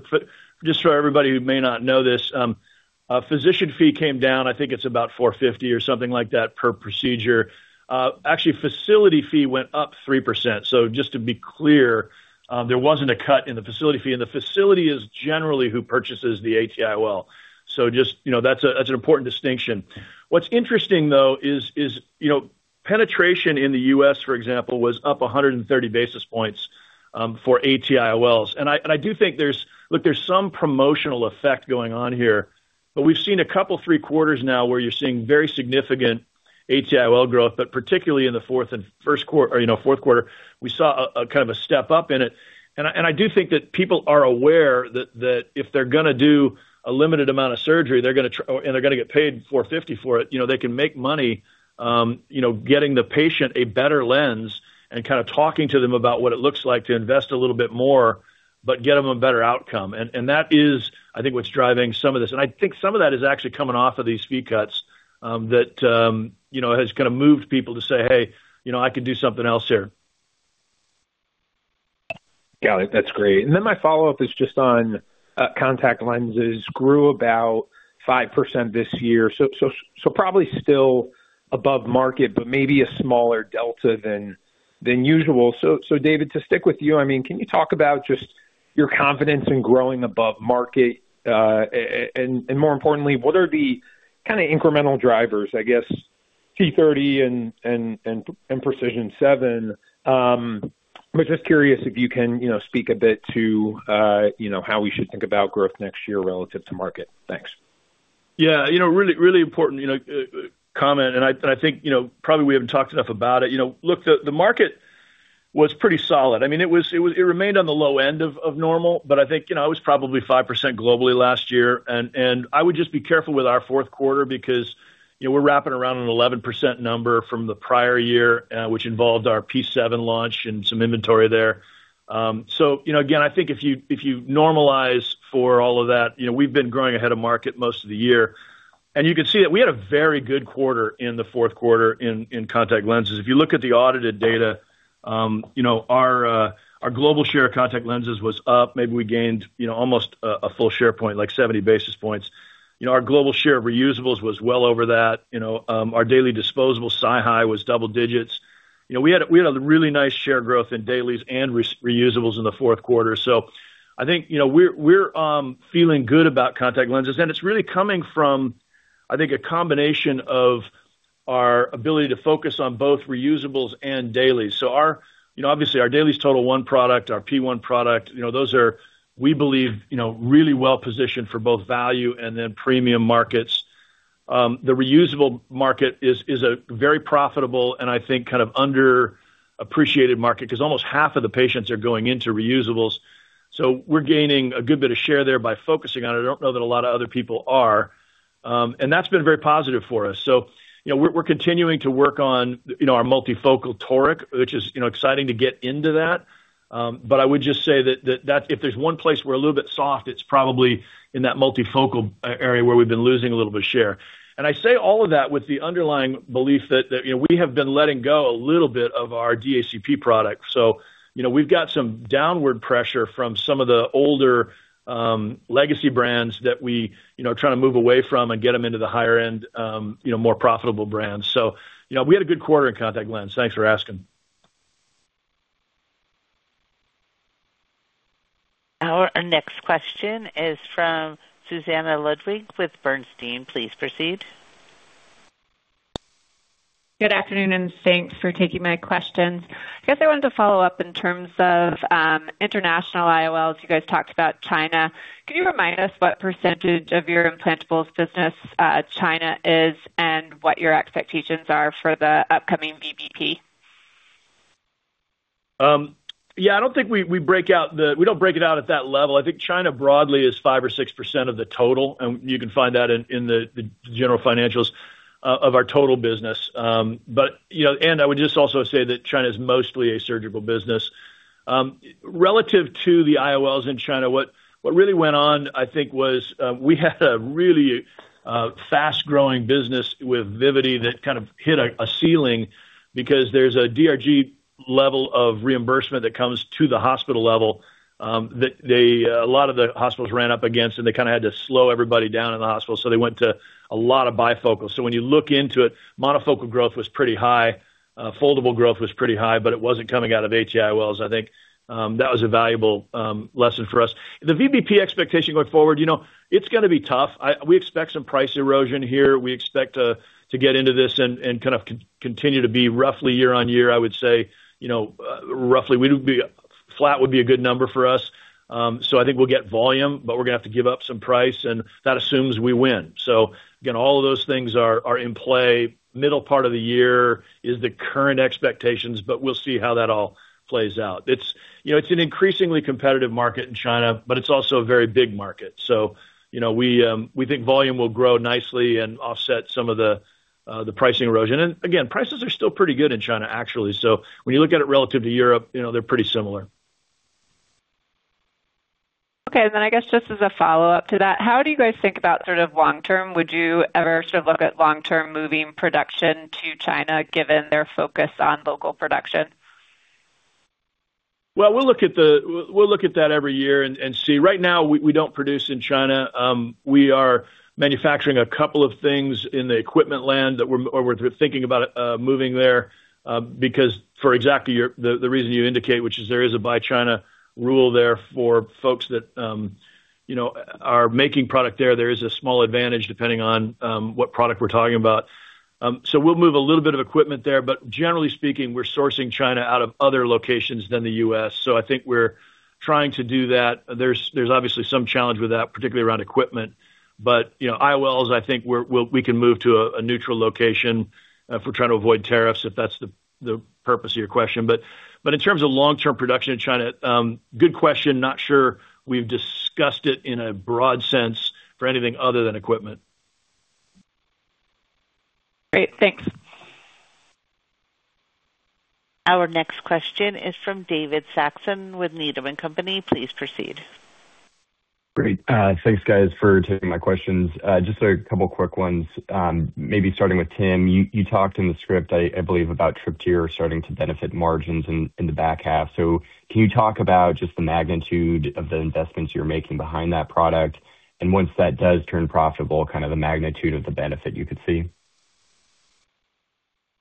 just for everybody who may not know this, a physician fee came down, I think it's about $450 or something like that, per procedure. Actually, facility fee went up 3%. Just to be clear, there wasn't a cut in the facility fee, and the facility is generally who purchases the ATIOL. Just, you know, that's a, that's an important distinction. What's interesting, though, is, you know, penetration in the U.S., for example, was up 130 bps, for AT IOLs. I, and I do think there's some promotional effect going on here, but we've seen a couple, three quarters now, where you're seeing very significant... ATIOL growth, but particularly in the 4th and 1st quarter, or, you know, 4th quarter, we saw a kind of a step up in it. I do think that people are aware that if they're gonna do a limited amount of surgery, they're gonna get paid $450 for it, you know, they can make money, you know, getting the patient a better lens and kind of talking to them about what it looks like to invest a little bit more, but get them a better outcome. That is, I think, what's driving some of this. I think some of that is actually coming off of these fee cuts, that, you know, has kinda moved people to say, "Hey, you know, I could do something else here. Got it. That's great. My follow-up is just on contact lenses, grew about 5% this year. Probably still above market, but maybe a smaller delta than usual. David, to stick with you, I mean, can you talk about just your confidence in growing above market? And more importantly, what are the kind of incremental drivers, I guess, P-30 and PRECISION7? I'm just curious if you can, you know, speak a bit to, you know, how we should think about growth next year relative to market. Thanks. Yeah, you know, really important, you know, comment, and I think, you know, probably we haven't talked enough about it. You know, look, the market was pretty solid. I mean, it remained on the low end of normal, but I think, you know, it was probably 5% globally last year. I would just be careful with our fourth quarter because, you know, we're wrapping around an 11% number from the prior year, which involved our P-seven launch and some inventory there. You know, again, I think if you normalize for all of that, you know, we've been growing ahead of market most of the year. You can see that we had a very good quarter in the fourth quarter in contact lenses. If you look at the audited data, you know, our global share of contact lenses was up. Maybe we gained, you know, almost a full share point, like 70 bps. You know, our global share of reusables was well over that. You know, our daily disposable SiHy was double digits. You know, we had a really nice share growth in dailies and reusables in the fourth quarter. I think, you know, we're feeling good about contact lenses, and it's really coming from, I think, a combination of our ability to focus on both reusables and dailies. You know, obviously, our Dailies TOTAL1 product, our P-one product, you know, those are, we believe, you know, really well positioned for both value and then premium markets. The reusable market is a very profitable and I think kind of underappreciated market, 'cause almost half of the patients are going into reusables. We're gaining a good bit of share there by focusing on it. I don't know that a lot of other people are. That's been very positive for us. You know, we're continuing to work on, you know, our multifocal Toric, which is, you know, exciting to get into that. I would just say that if there's one place we're a little bit soft, it's probably in that multifocal area where we've been losing a little bit of share. I say all of that with the underlying belief that, you know, we have been letting go a little bit of our DACP product. You know, we've got some downward pressure from some of the older, legacy brands that we, you know, trying to move away from and get them into the higher end, you know, more profitable brands. You know, we had a good quarter in contact lens. Thanks for asking. Our next question is from Susannah Ludwig with Bernstein. Please proceed. Good afternoon. Thanks for taking my questions. I guess I wanted to follow up in terms of international IOLs. You guys talked about China. Could you remind us what % of your implantables business China is, and what your expectations are for the upcoming VBP? Yeah, I don't think we don't break it out at that level. I think China broadly is 5% or 6% of the total, and you can find that in the general financials of our total business. You know, and I would just also say that China is mostly a surgical business. Relative to the IOLs in China, what really went on, I think, was, we had a really fast-growing business with Vivity that kind of hit a ceiling because there's a DRG level of reimbursement that comes to the hospital level, that they, a lot of the hospitals ran up against, and they kinda had to slow everybody down in the hospital, so they went to a lot of bifocals. When you look into it, Monofocal growth was pretty high, foldable growth was pretty high, but it wasn't coming out of ATIOL, so I think that was a valuable lesson for us. The VBP expectation going forward, you know, it's gonna be tough. We expect some price erosion here. We expect to get into this and kind of continue to be roughly year-on-year, I would say, you know, roughly. Flat would be a good number for us. I think we'll get volume, but we're gonna have to give up some price, and that assumes we win. Again, all of those things are in play. Middle part of the year is the current expectations, but we'll see how that all plays out. It's, you know, it's an increasingly competitive market in China, but it's also a very big market. You know, we think volume will grow nicely and offset some of the pricing erosion. Again, prices are still pretty good in China, actually. When you look at it relative to Europe, you know, they're pretty similar. Okay, I guess just as a follow-up to that, how do you guys think about sort of long term? Would you ever sort of look at long-term moving production to China, given their focus on local production? Well, we'll look at that every year and see. Right now, we don't produce in China. We are manufacturing a couple of things in the equipment land that we're thinking about moving there because for exactly your, the reason you indicate, which is there is a buy China rule there for folks that, you know, are making product there. There is a small advantage, depending on what product we're talking about. We'll move a little bit of equipment there, but generally speaking, we're sourcing China out of other locations than the U.S. I think we're trying to do that. There's obviously some challenge with that, particularly around equipment. You know, IOLs, I think we can move to a neutral location if we're trying to avoid tariffs, if that's the purpose of your question. In terms of long-term production in China, good question. Not sure we've discussed it in a broad sense for anything other than equipment. Great, thanks. Our next question is from David Saxon with Needham & Company. Please proceed. Great. Thanks, guys, for taking my questions. Just a couple of quick ones. Maybe starting with Tim, you talked in the script, I believe, about Tryptyr starting to benefit margins in the back half. Can you talk about just the magnitude of the investments you're making behind that product, and once that does turn profitable, kind of the magnitude of the benefit you could see?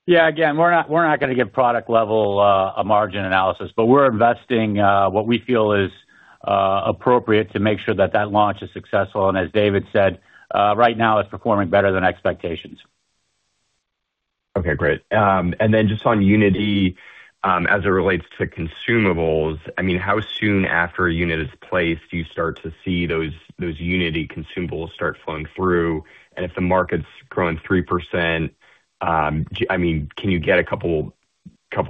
Yeah, again, we're not going to give product level, a margin analysis, but we're investing, what we feel is appropriate to make sure that that launch is successful. As David said, right now, it's performing better than expectations. Okay, great. Then just on Unity, as it relates to consumables, I mean, how soon after a unit is placed, do you start to see those Unity consumables start flowing through? If the market's growing 3%, I mean, can you get a couple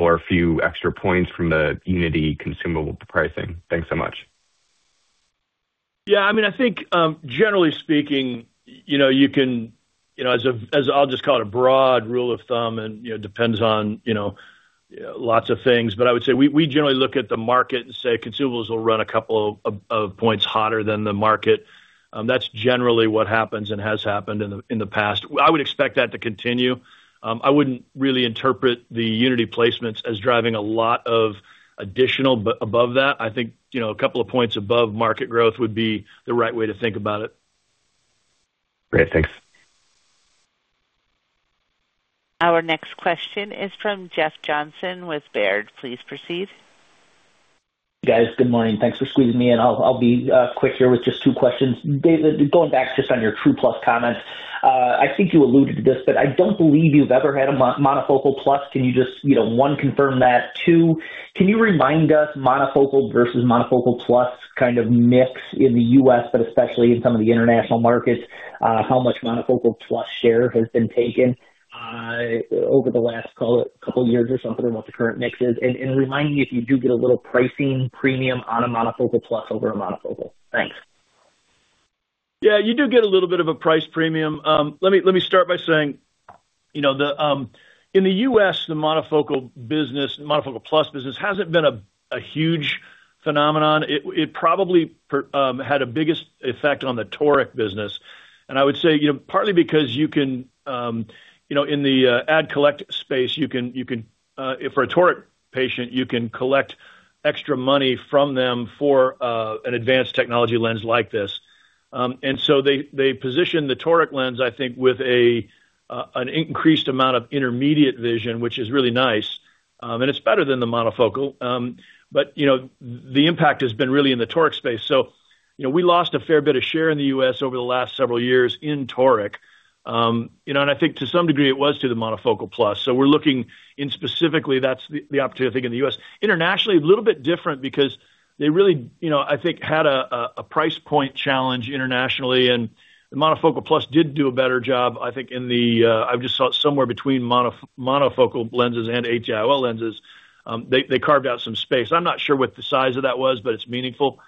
or a few extra points from the Unity consumable pricing? Thanks so much. Yeah, I mean, I think, generally speaking, you know, as I'll just call it, a broad rule of thumb, and, you know, depends on, you know, lots of things. I would say, we generally look at the market and say, consumables will run a couple of points hotter than the market. That's generally what happens and has happened in the past. I would expect that to continue. I wouldn't really interpret the Unity placements as driving a lot of additional, but above that, I think, you know, a couple of points above market growth would be the right way to think about it. Great, thanks. Our next question is from Jeff Johnson with Baird. Please proceed. Guys, good morning. Thanks for squeezing me in. I'll be quick here with just two questions. David, going back just on your Tryptyr comment, I think you alluded to this, but I don't believe you've ever had a Monofocal plus. Can you just, you know, 1, confirm that? 2, can you remind us Monofocal versus Monofocal plus kind of mix in the U.S., but especially in some of the international markets, how much Monofocal plus share has been taken over the last couple of years or so, what the current mix is? And remind me if you do get a little pricing premium on a Monofocal plus over a Monofocal. Thanks. Yeah, you do get a little bit of a price premium. Let me, let me start by saying, you know, the, in the U.S., the Monofocal business, Monofocal plus business, hasn't been a huge phenomenon. It probably had a biggest effect on the Toric business. I would say, you know, partly because you can, you know, in the add-collect space, you can, for a Toric patient, you can collect extra money from them for an advanced technology lens like this. They position the Toric lens, I think, with an increased amount of intermediate vision, which is really nice, and it's better than the Monofocal. You know, the impact has been really in the Toric space. You know, we lost a fair bit of share in the U.S. over the last several years in Toric. You know, I think to some degree it was to the Monofocal plus. We're looking in specifically, that's the opportunity, I think, in the U.S. Internationally, a little bit different because they really, you know, I think, had a price point challenge internationally, and the Monofocal plus did do a better job. I think in the, I just saw it somewhere between Monofocal lenses and AT-IOL lenses, they carved out some space. I'm not sure what the size of that was, but it's meaningful.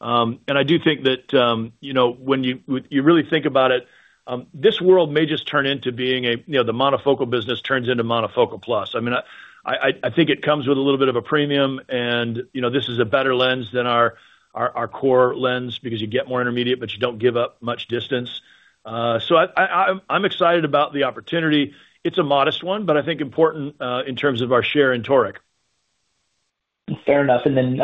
I do think that, you know, when you really think about it, this world may just turn into being a, you know, the Monofocal business turns into Monofocal plus. I mean, I think it comes with a little bit of a premium. You know, this is a better lens than our core lens because you get more intermediate, but you don't give up much distance. I'm excited about the opportunity. It's a modest one, but I think important, in terms of our share in Toric. Fair enough. Then,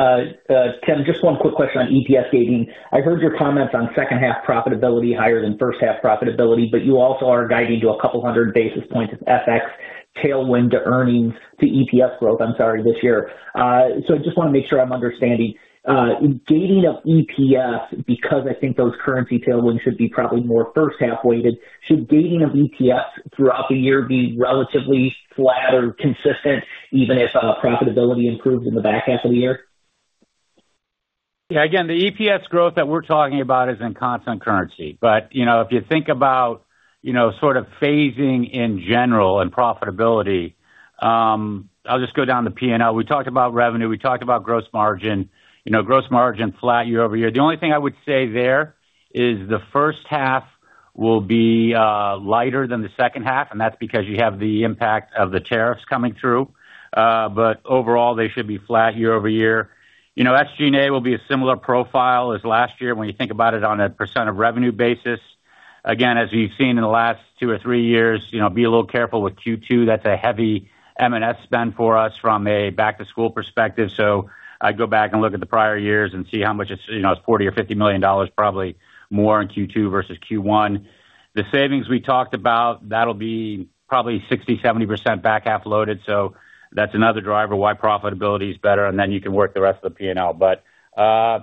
Tim, just 1 quick question on EPS gating. I've heard your comments on second half profitability higher than first half profitability, but you also are guiding to a couple hundred bps of FX tailwind to earnings, to EPS growth, I'm sorry, this year. I just want to make sure I'm understanding. Gating of EPS, because I think those currency tailwinds should be probably more first half-weighted, should gating of EPS throughout the year be relatively flat or consistent, even if profitability improves in the back half of the year? The EPS growth that we're talking about is in constant currency. You know, if you think about, you know, sort of phasing in general and profitability, I'll just go down the PNL. We talked about revenue, we talked about gross margin, you know, gross margin flat year-over-year. The only thing I would say there is the first half will be lighter than the second half, and that's because you have the impact of the tariffs coming through. Overall, they should be flat year-over-year. You know, SG&A will be a similar profile as last year when you think about it on a % of revenue basis. As you've seen in the last two or three years, you know, be a little careful with Q2. That's a heavy M&S spend for us from a back-to-school perspective. I go back and look at the prior years and see how much it's, you know, it's $40 million-$50 million, probably more in Q2 versus Q1. The savings we talked about, that'll be probably 60%-70% back half loaded, so that's another driver why profitability is better, and then you can work the rest of the PNL.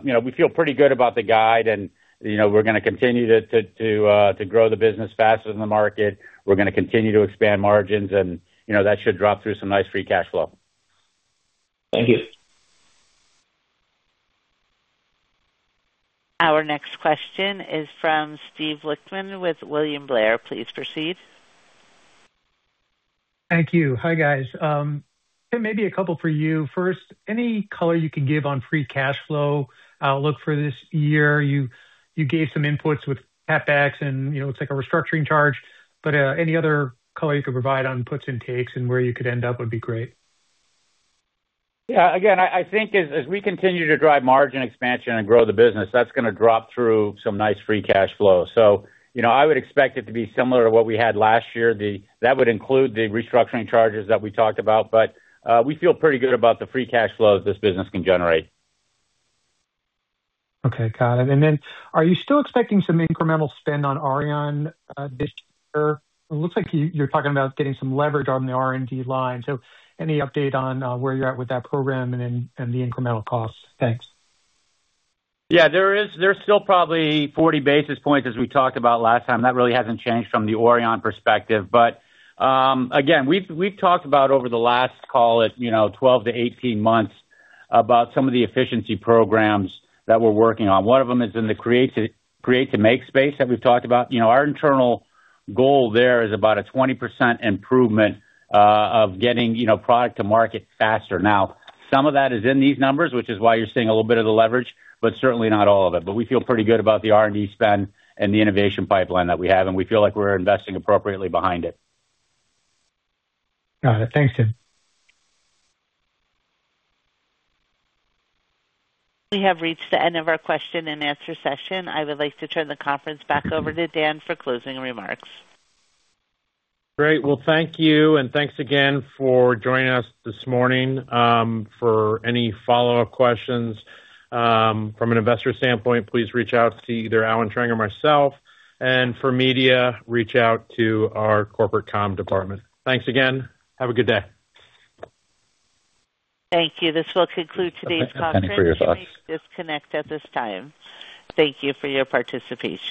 You know, we feel pretty good about the guide, and, you know, we're going to continue to grow the business faster than the market. We're going to continue to expand margins, and, you know, that should drop through some nice free cash flow. Thank you. Our next question is from Steven Lichtman with William Blair. Please proceed. Thank you. Hi, guys. Tim, maybe a couple for you. First, any color you can give on free cash flow outlook for this year? You gave some inputs with CapEx, and, you know, it's like a restructuring charge, but any other color you can provide on puts and takes and where you could end up would be great. Yeah, again, I think as we continue to drive margin expansion and grow the business, that's going to drop through some nice free cash flow. You know, I would expect it to be similar to what we had last year. That would include the restructuring charges that we talked about, but we feel pretty good about the free cash flows this business can generate. Okay, got it. Are you still expecting some incremental spend on Orion this year? It looks like you're talking about getting some leverage on the R&D line. Any update on where you're at with that program and the incremental costs? Thanks. Yeah, there's still probably 40 bps, as we talked about last time. Again, we've talked about over the last call, you know, 12 -18 months about some of the efficiency programs that we're working on. One of them is in the create to make space that we've talked about. You know, our internal goal there is about a 20% improvement of getting, you know, product to market faster. Some of that is in these numbers, which is why you're seeing a little bit of the leverage, but certainly not all of it. We feel pretty good about the R&D spend and the innovation pipeline that we have, and we feel like we're investing appropriately behind it. Got it. Thanks, Tim. We have reached the end of our question-and-answer session. I would like to turn the conference back over to Dan for closing remarks. Great. Well, thank you, thanks again for joining us this morning. For any follow-up questions, from an investor standpoint, please reach out to either Allen Trang or myself, for media, reach out to our corporate comm department. Thanks again. Have a good day. Thank you. This will conclude today's conference. Thank you for your thoughts. You may disconnect at this time. Thank you for your participation.